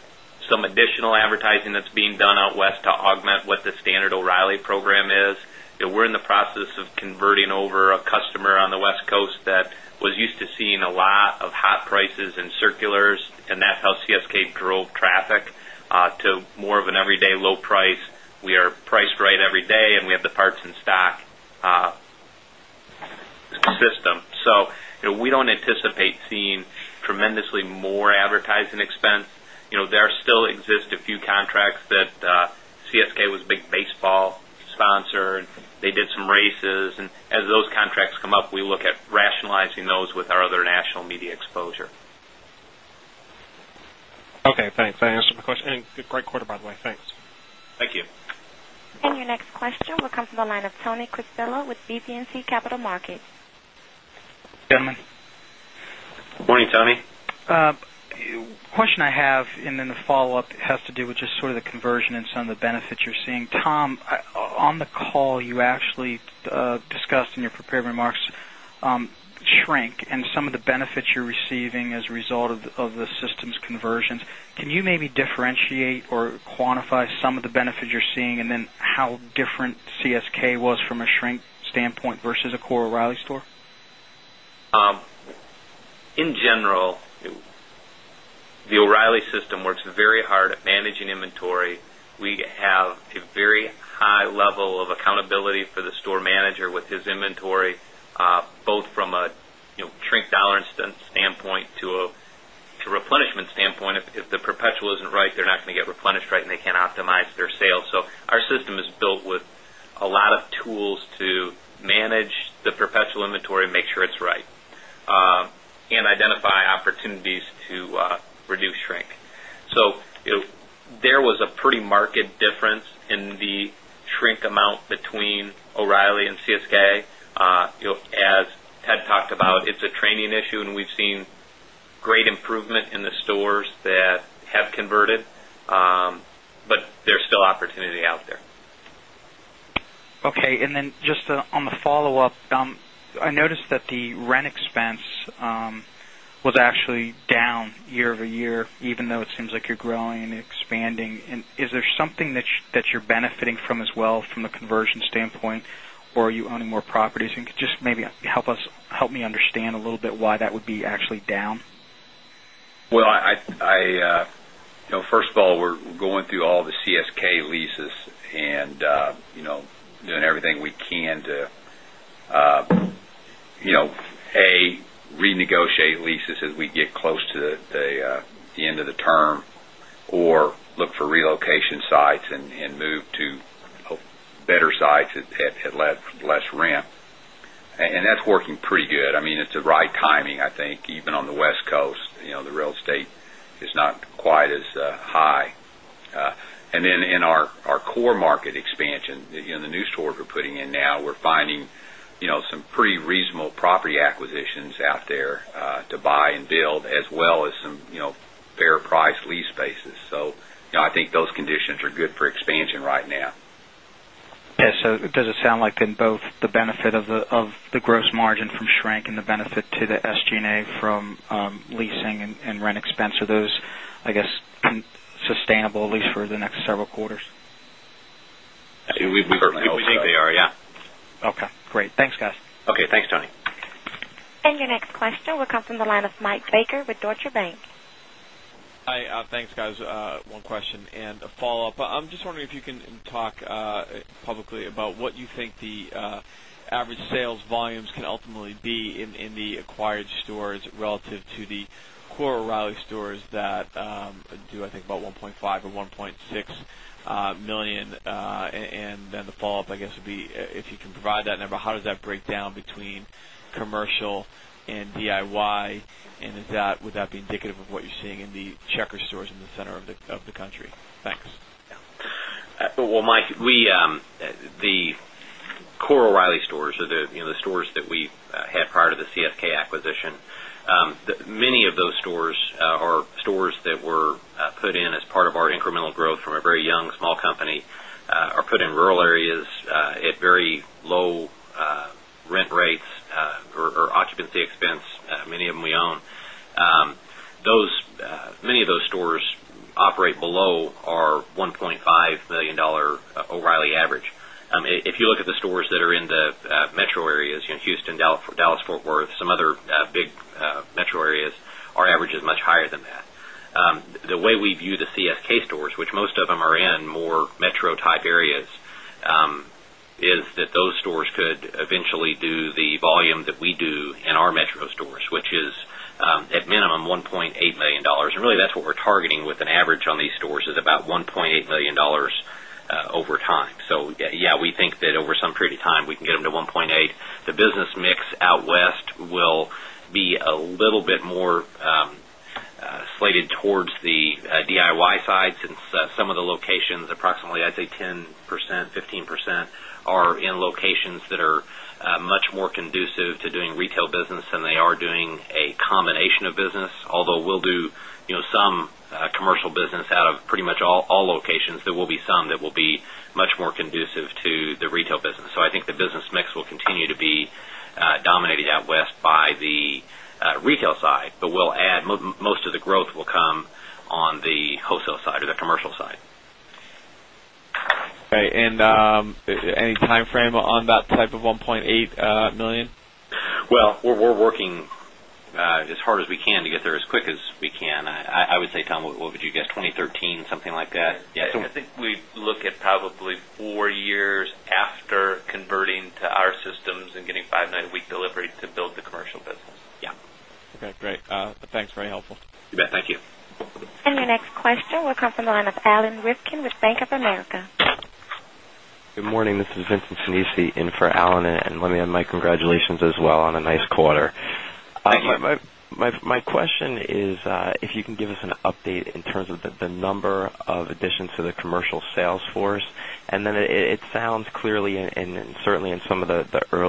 Speaker 2: some additional advertising that's being done out west to augment what the standard O'Reilly program is. We're in the process of converting over a customer on the West Coast that was used to seeing a lot of hot prices in circulars and that's how CSK drove traffic to more of an everyday low price. We are priced right every day and we have the parts and stock system. So we don't anticipate seeing tremendously more advertising expense. There still exist a few contracts that CSK was big baseball sponsor and they did some races and as those contracts come up, we look at rationalizing those with our other national media exposure.
Speaker 9: Okay, thanks. I answered my question and great quarter by the way. Thanks.
Speaker 2: Thank you.
Speaker 1: And your next question will come from the line of Toni Crispilla with BB and C Capital Markets.
Speaker 2: Good morning, Toni.
Speaker 10: Question I have and then the follow-up has to do with sort of the conversion and some of the benefits you're seeing. Tom, on the call you actually discussed in your prepared remarks shrink and some of the benefits you're receiving as a result of the systems conversions.
Speaker 6: Can you
Speaker 10: maybe differentiate or quantify some of the benefits you're seeing and then how different CSK was from a shrink standpoint versus a core O'Reilly store?
Speaker 2: In general, the O'Reilly system works very hard at managing inventory. We have a very high level of accountability for the store manager with his inventory, both from a shrink dollar standpoint to replenishment standpoint. If the perpetual isn't right, they're not going to get replenished right and they can't optimize their sales. So our system is built with a lot of tools to manage the perpetual inventory and make sure it's right and identify opportunities to reduce shrink. So there was a pretty market difference in the shrink amount between O'Reilly and CSK. As Ted talked about, it's a training issue and we've seen great improvement in the stores that have converted, but there's still opportunity out there.
Speaker 10: Okay. And then just on the follow-up, I noticed that the rent expense was actually down year over year even though it seems like you're growing and expanding. And is there something that you're benefiting from as well from a conversion standpoint? Are you owning more properties? And could you just maybe help us help me understand a little bit why that would be actually down?
Speaker 4: Well, I first of all, we're going through all the CSK leases and doing everything we can to, A, renegotiate leases as we get close to the end of the term or look for relocation sites and move to better sites that had less ramp. And that's working pretty good. I mean, it's the right timing, I think, even on the West Coast, the real estate is not quite as high. Then in our core market expansion, the new stores we're putting in now, we're finding some pretty reasonable property acquisitions out there to buy and build as well as some fair price lease spaces. So, I think those conditions are good for expansion right now.
Speaker 10: Okay. So, does it sound like in both the benefit of the gross margin from shrink and the benefit to the SG and A from leasing and rent expense, are those, I guess, sustainable at least for the next several
Speaker 3: quarters? We think they are, yes.
Speaker 11: Okay, great. Thanks guys.
Speaker 3: Okay. Thanks, Tony.
Speaker 1: And your next question will come from the line of Mike Baker with Deutsche Bank.
Speaker 12: Hi, thanks guys. One question and a follow-up. I'm just wondering if you can talk publicly about what you think the average sales volumes can ultimately be in the acquired stores relative to the core O'Reilly stores that do I think about $1,500,000 or $1,600,000 And then the follow-up I guess would be if you can provide that number, how does that break down between commercial and DIY? And is that would that be indicative of what you're seeing in the Checkers stores in the center of the country? Thanks.
Speaker 3: Well, Mike, we the core O'Reilly stores are the stores that we had prior to the CFK acquisition. Many of those stores are stores that were put in as part of our incremental growth from a very young small company are put in rural areas at very low rent rates or occupancy expense, many of them we own. Those many of those stores operate below our $1,500,000 O'Reilly average. If you look at the stores that are in the metro areas, Houston, Dallas, Fort Worth, some other big metro areas, our average is much higher than that. The way we view the CSK stores, which most of them are in more metro type areas, is that those stores could eventually do the volume that we do in our metro stores, which is, at minimum $1,800,000 And really that's what we're targeting with an average on these stores is about $1,800,000 over time. So yes, we think that over some period of time, we can get them to $1,800,000 The business mix out west will be a little bit more slated towards the DIY side since some of the locations approximately I'd say 10%, 15% are in locations that are much more conducive to doing retail business than they are doing a combination of business. Although we'll do some commercial business out of pretty much all locations, there will be some that will be much more conducive to the retail business. So I think the business mix will continue to be dominated out west by the retail side, but we'll add most of the growth will come on the wholesale side or the commercial side.
Speaker 12: Okay. And any timeframe on that type of 1,800,000
Speaker 3: dollars? Well, we're working as hard as we can to get there as quick as we can. I would say, Tom, what would you guess, 2013, something like that?
Speaker 2: Yes, I think we look at probably 4 years after converting to our systems and getting 5 night a week delivery to build the commercial business.
Speaker 12: Yes. Okay, great. Thanks. Very helpful.
Speaker 2: You bet. Thank you.
Speaker 1: And your next question will come from the line of Alan Ryvkin with Bank of America.
Speaker 13: Morning. This is Vincent Sinisi in for Alan and let me add my congratulations as well on a nice quarter. Thank you. My question is, if you can give us an update in terms of the number of additions to the commercial sales force? And then it sounds clearly, Any updates at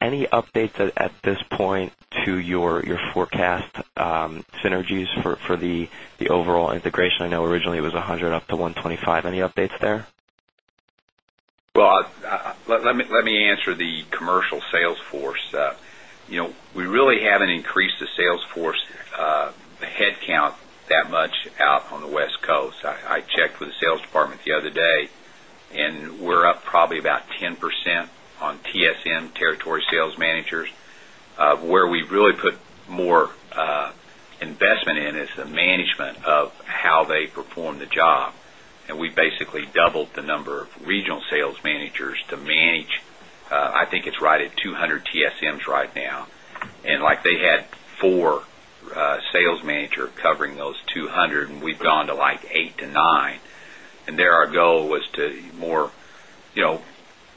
Speaker 13: Any updates at this point to your forecast synergies for the overall integration? I know originally it was 100 up to 125, any updates there?
Speaker 4: Let me answer the commercial sales force. We really haven't increased the sales force headcount that much out on the West Coast. I checked with the sales department the other day and we're up probably about 10% on TSM territory sales managers. Where we really put more investment in is the management of how they perform the job. And we basically doubled the number of regional sales managers to manage, I think it's right at 200 TSMs right now. And like they had 4 sales manager covering those 200 and we've gone to like 8 to 9. There our goal was to more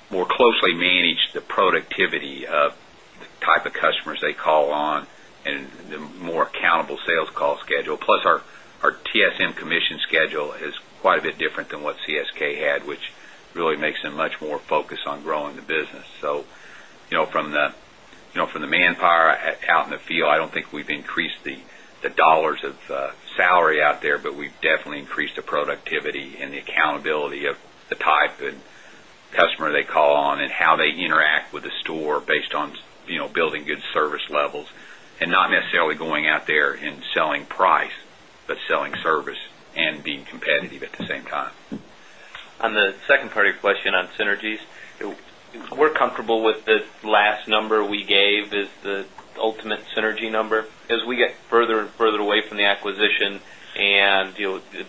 Speaker 4: closely manage the productivity of the type of customers they call on and the more accountable sales call schedule. Plus our TSM commission schedule is quite a bit different than what CSK had, which really makes it much more focused on growing the business. So from the manpower out in the field, I don't think we've increased the dollars of salary out there, but we've definitely increased the productivity and the accountability of the type of customer they call on and how they interact with the store based on building good service levels and not necessarily going out there and selling price, but selling service and being competitive at the same time.
Speaker 2: On the second part of your question on synergies, we're comfortable with the last number we gave is the ultimate synergy number. As we get further and further away from the acquisition and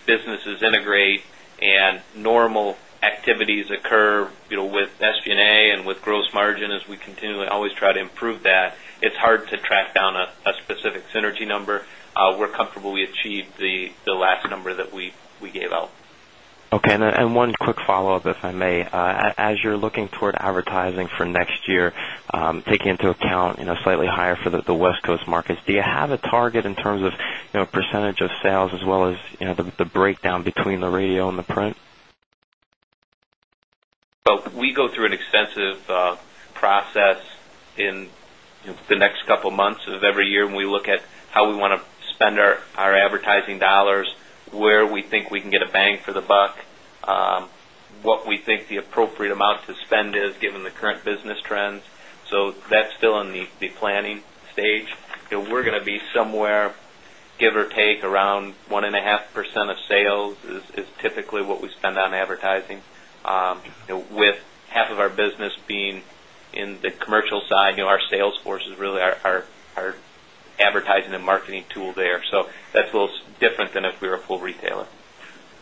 Speaker 2: businesses integrate and normal activities occur with SG and A and with gross margin as we continue to always try to improve that, it's hard to track down a specific synergy number. We're comfortable we achieved the last number that we gave out.
Speaker 13: Okay. And one quick follow-up, if I may. As you're looking toward advertising for next year, take into account slightly higher for the West Coast markets, do you have a target in terms of percentage of sales as well as the breakdown between the radio and the print?
Speaker 2: We go through an extensive process in the next couple of months of every year when we look at how we want to spend our advertising dollars, where we think we can get a bang for the buck, what we think the appropriate amount to spend is given the current business trends. So that's still in the planning stage. We're going to be somewhere give or take around 1.5% of sales is typically what we spend on advertising. With half of our business being in the commercial side, our sales force is really our advertising and marketing tool there. So that's a little different than if we were a full retailer.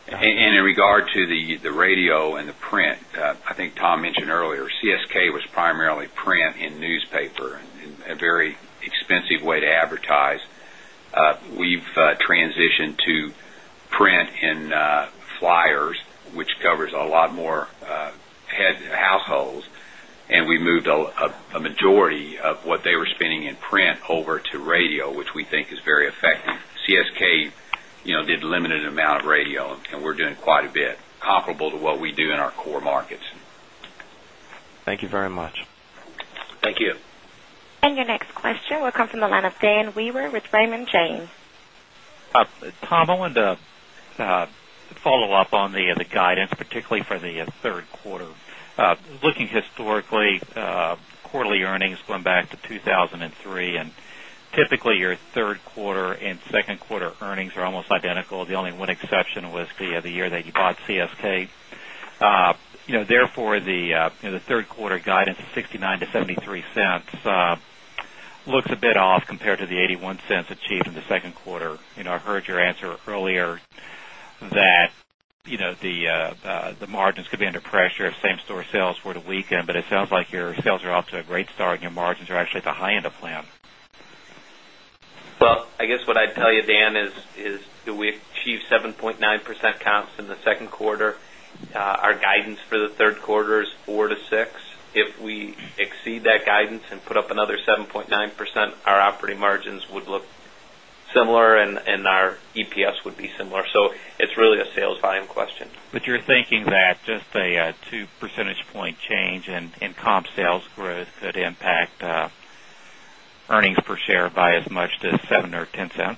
Speaker 4: And in regard to the radio and the print, I think Tom mentioned earlier, CSK was primarily print in newspaper, a very expensive way to advertise. We've transitioned to print in flyers, which covers a lot more head households and we moved a majority of what they were spending in print over to radio, which we think is very effective. CSK did limited amount of radio and we're doing quite a bit comparable to what we do in our core markets.
Speaker 13: Thank you very much.
Speaker 2: Thank you.
Speaker 1: And your next question will come from the line of Dan Wieber with Raymond James.
Speaker 11: Tom, I wanted to follow-up on the guidance, particularly for the Q3. Looking historically, quarterly earnings going back to 2,003 and typically your 3rd quarter and second quarter earnings are almost identical. The only one exception was the year that you bought CSK. Therefore, the 3rd quarter
Speaker 2: guidance of $0.69 to $0.73
Speaker 11: looks a bit off. Margins could be under pressure if same store sales were to weaken, but it sounds like your sales are off to a great start and your margins are actually at the high end of plan?
Speaker 2: Well, I guess what I'd tell you, Dan, is that we achieved 7.9% comps in the 2nd quarter. Our guidance the 3rd quarter is 4% to 6%. If we exceed that guidance and put up another 7.9%, our operating margins would look similar and our EPS would be similar. So it's really a sales volume question.
Speaker 11: But you're thinking that just a 2 percentage point change in comp sales growth could impact earnings per share by as much as $0.07 or $0.10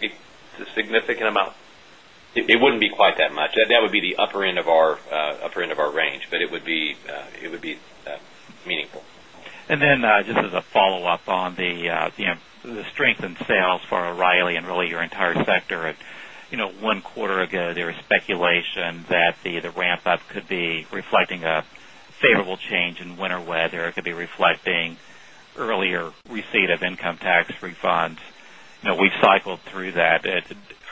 Speaker 3: It's a significant amount. It wouldn't be quite that much. That would be the upper end of our range, but it would be meaningful.
Speaker 11: And then just as a follow-up on the strength in sales for O'Reilly and really your entire sector. 1 quarter ago, there was speculation that the ramp up could be reflecting a favorable change in winter weather. It could be reflecting earlier receipt of income tax refunds. We've cycled through that.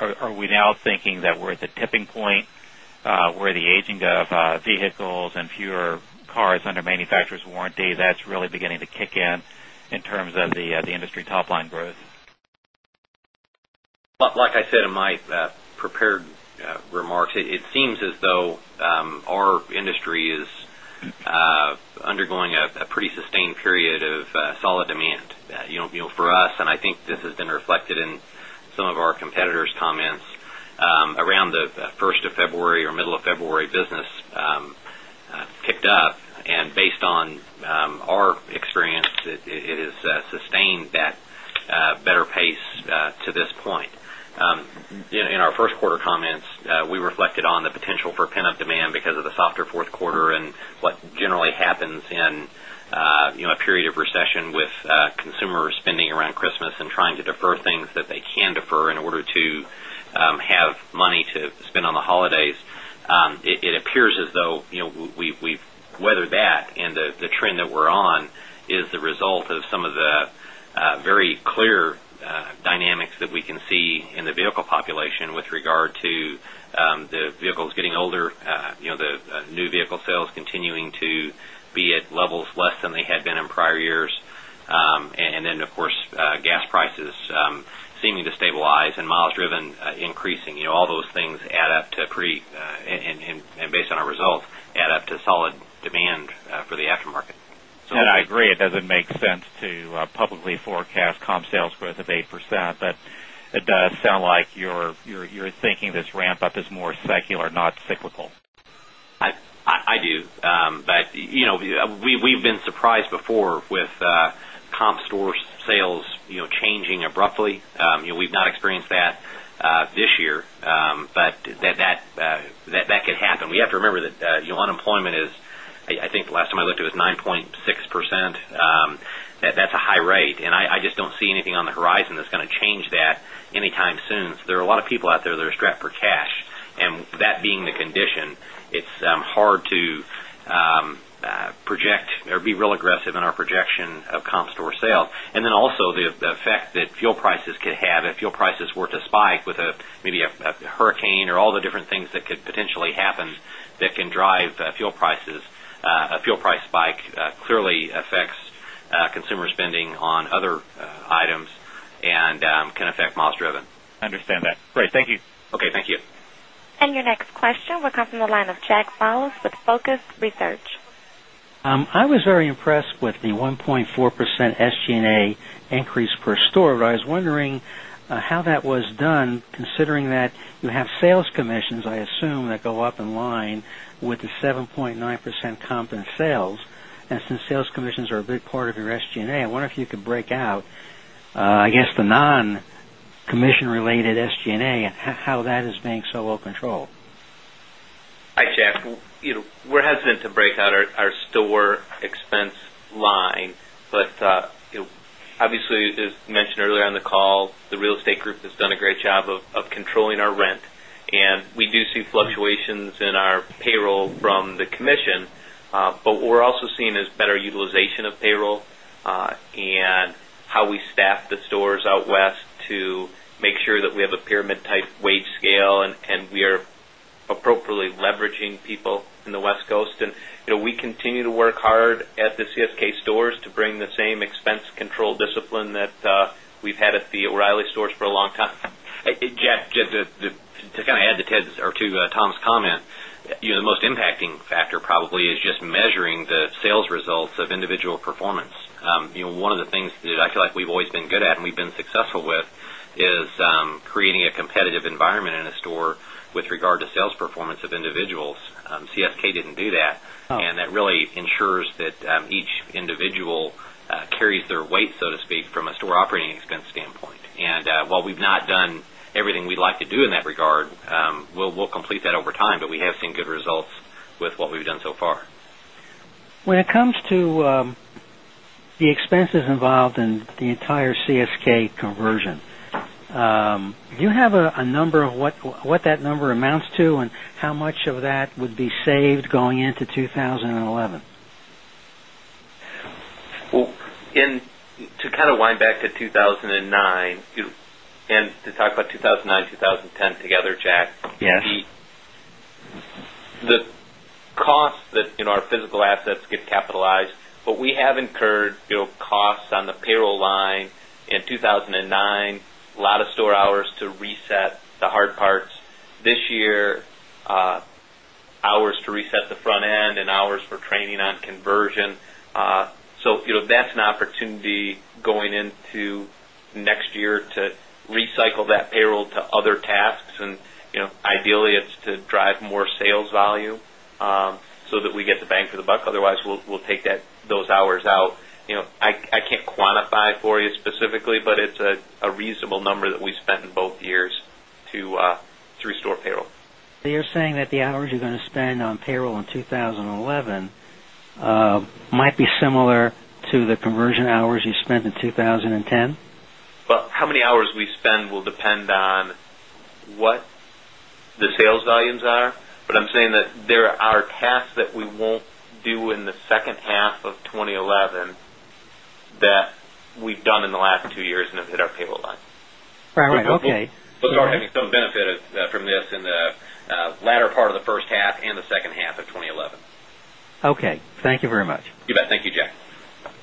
Speaker 11: Are we now thinking that we're at the tipping point where the aging of vehicles and fewer cars under manufacturer's warranty that's really beginning to kick in, in terms of the industry top line growth?
Speaker 3: Like I said in my prepared remarks, it seems as though our industry is undergoing a pretty sustained period of solid demand. For us, and I think this has been reflected in some of our competitors' comments around the 1st February or middle of February business picked up. And based on our experience, it has sustained that better pace to this point. In our Q1 comments, we reflected on the potential for pent up demand because of the softer Q4 and what generally happens in a period of recession with consumer spending around Christmas and trying to defer things that they can defer in order to have money to spend on the holidays. It appears as though we've weathered that and the trend that we're on is the result of some of the very clear dynamics that we can see in the vehicle population with regard to the vehicles getting older, the new vehicle sales continuing to be at levels less than they had been in prior years. And then, of course, gas prices seeming to stabilize and miles driven increasing. All those things add up to pretty and based on our results add up to solid demand for the aftermarket.
Speaker 11: And I agree, it doesn't make sense to publicly forecast comp sales growth of 8%, but it does sound like you're thinking this ramp up is more secular, not cyclical?
Speaker 3: I do. But we've been surprised before with comp store sales changing abruptly. We've not experienced that this year, but that could happen. We have to remember that unemployment is, I think last time I looked it was 9.6%. That's a high rate and I just don't see anything on the horizon that's going to change that anytime soon. So there are a lot of people out there that are strapped for cash and that being the condition, it's hard to be real aggressive in our projection of comp store sales. And then also the effect that fuel prices could have, if fuel prices were to spike with maybe a hurricane or all the different things that could potentially happen that can drive fuel prices, A fuel price spike clearly affects consumer spending on other items and can affect miles driven. I understand that. Great.
Speaker 2: Thank you. Okay. Thank you.
Speaker 1: And your next question will come from the line of Jack Miles with Focus Research.
Speaker 6: I was very impressed with the 1.4 percent SG and A increase per store, but I was wondering how that was done considering that you have sales commissions, I assume that go up in line with the 7.9 percent comp in sales and since sales commissions are a big part of your SG and A, I wonder if you could break out I guess the non commission related SG and A and how that is being so well controlled?
Speaker 2: Hi, Jack. We're hesitant to break out our store expense line. But obviously, as mentioned earlier on the call, the real estate group has done a great job of controlling our rent. And we do see fluctuations in our payroll from the commission. But we're also seeing as better utilization of payroll and how we staff the stores out west to make sure that we have a pyramid type wage scale and we are appropriately leveraging people in the West Coast. And we continue to work hard at the CSK stores to bring the same expense control discipline that we've had at the O'Reilly stores for a long time. Jack, just to kind of
Speaker 3: add to Ted's or to Tom's comment, the most impacting factor probably is just measuring the sales results of individual performance. One of the things that I feel like we've always been good at and we've been successful with is creating a competitive environment in a store with regard to sales performance of individuals. CSK didn't do that. And that really ensures that each individual carries their weight, so to speak, from a store operating expense standpoint. And while we've not done everything we'd like to do in that regard, we'll complete that over time, but we have seen good results with what we've done so far.
Speaker 6: When it comes to the expenses involved in the entire CSK conversion, do you have a number of what that number amounts to and how much of that would be saved going into 2011?
Speaker 2: To kind of wind back to 2,009 and to talk about 2,009, 2010 together, Jack. The cost that in our physical assets get capitalized, but we have incurred costs on the payroll line in 2,009, lot of store hours to reset the hard parts. This year, hours to reset the front end and hours for training on conversion. So that's an opportunity going into next year to recycle that payroll to other tasks and ideally it's to drive more sales volume so that we get the bang for the buck. Otherwise, we'll take that those hours out. I can't quantify for you specifically, but it's a reasonable number that we spent in both years to restore payroll.
Speaker 6: So you're saying that the hours you're going to spend on payroll in 2011 might be similar to the conversion hours you spent in 2010?
Speaker 2: Well, how many hours we spend will depend on what the sales volumes are, but I'm saying that there are tasks that we won't do in the second half of twenty eleven that we've done in the last 2 years and have hit our payroll line.
Speaker 6: Line. Right, right, okay.
Speaker 3: So we are having some benefit from this in the latter part of the first half and the second half of twenty eleven.
Speaker 6: Okay. Thank you very much.
Speaker 2: You bet. Thank you, Jack.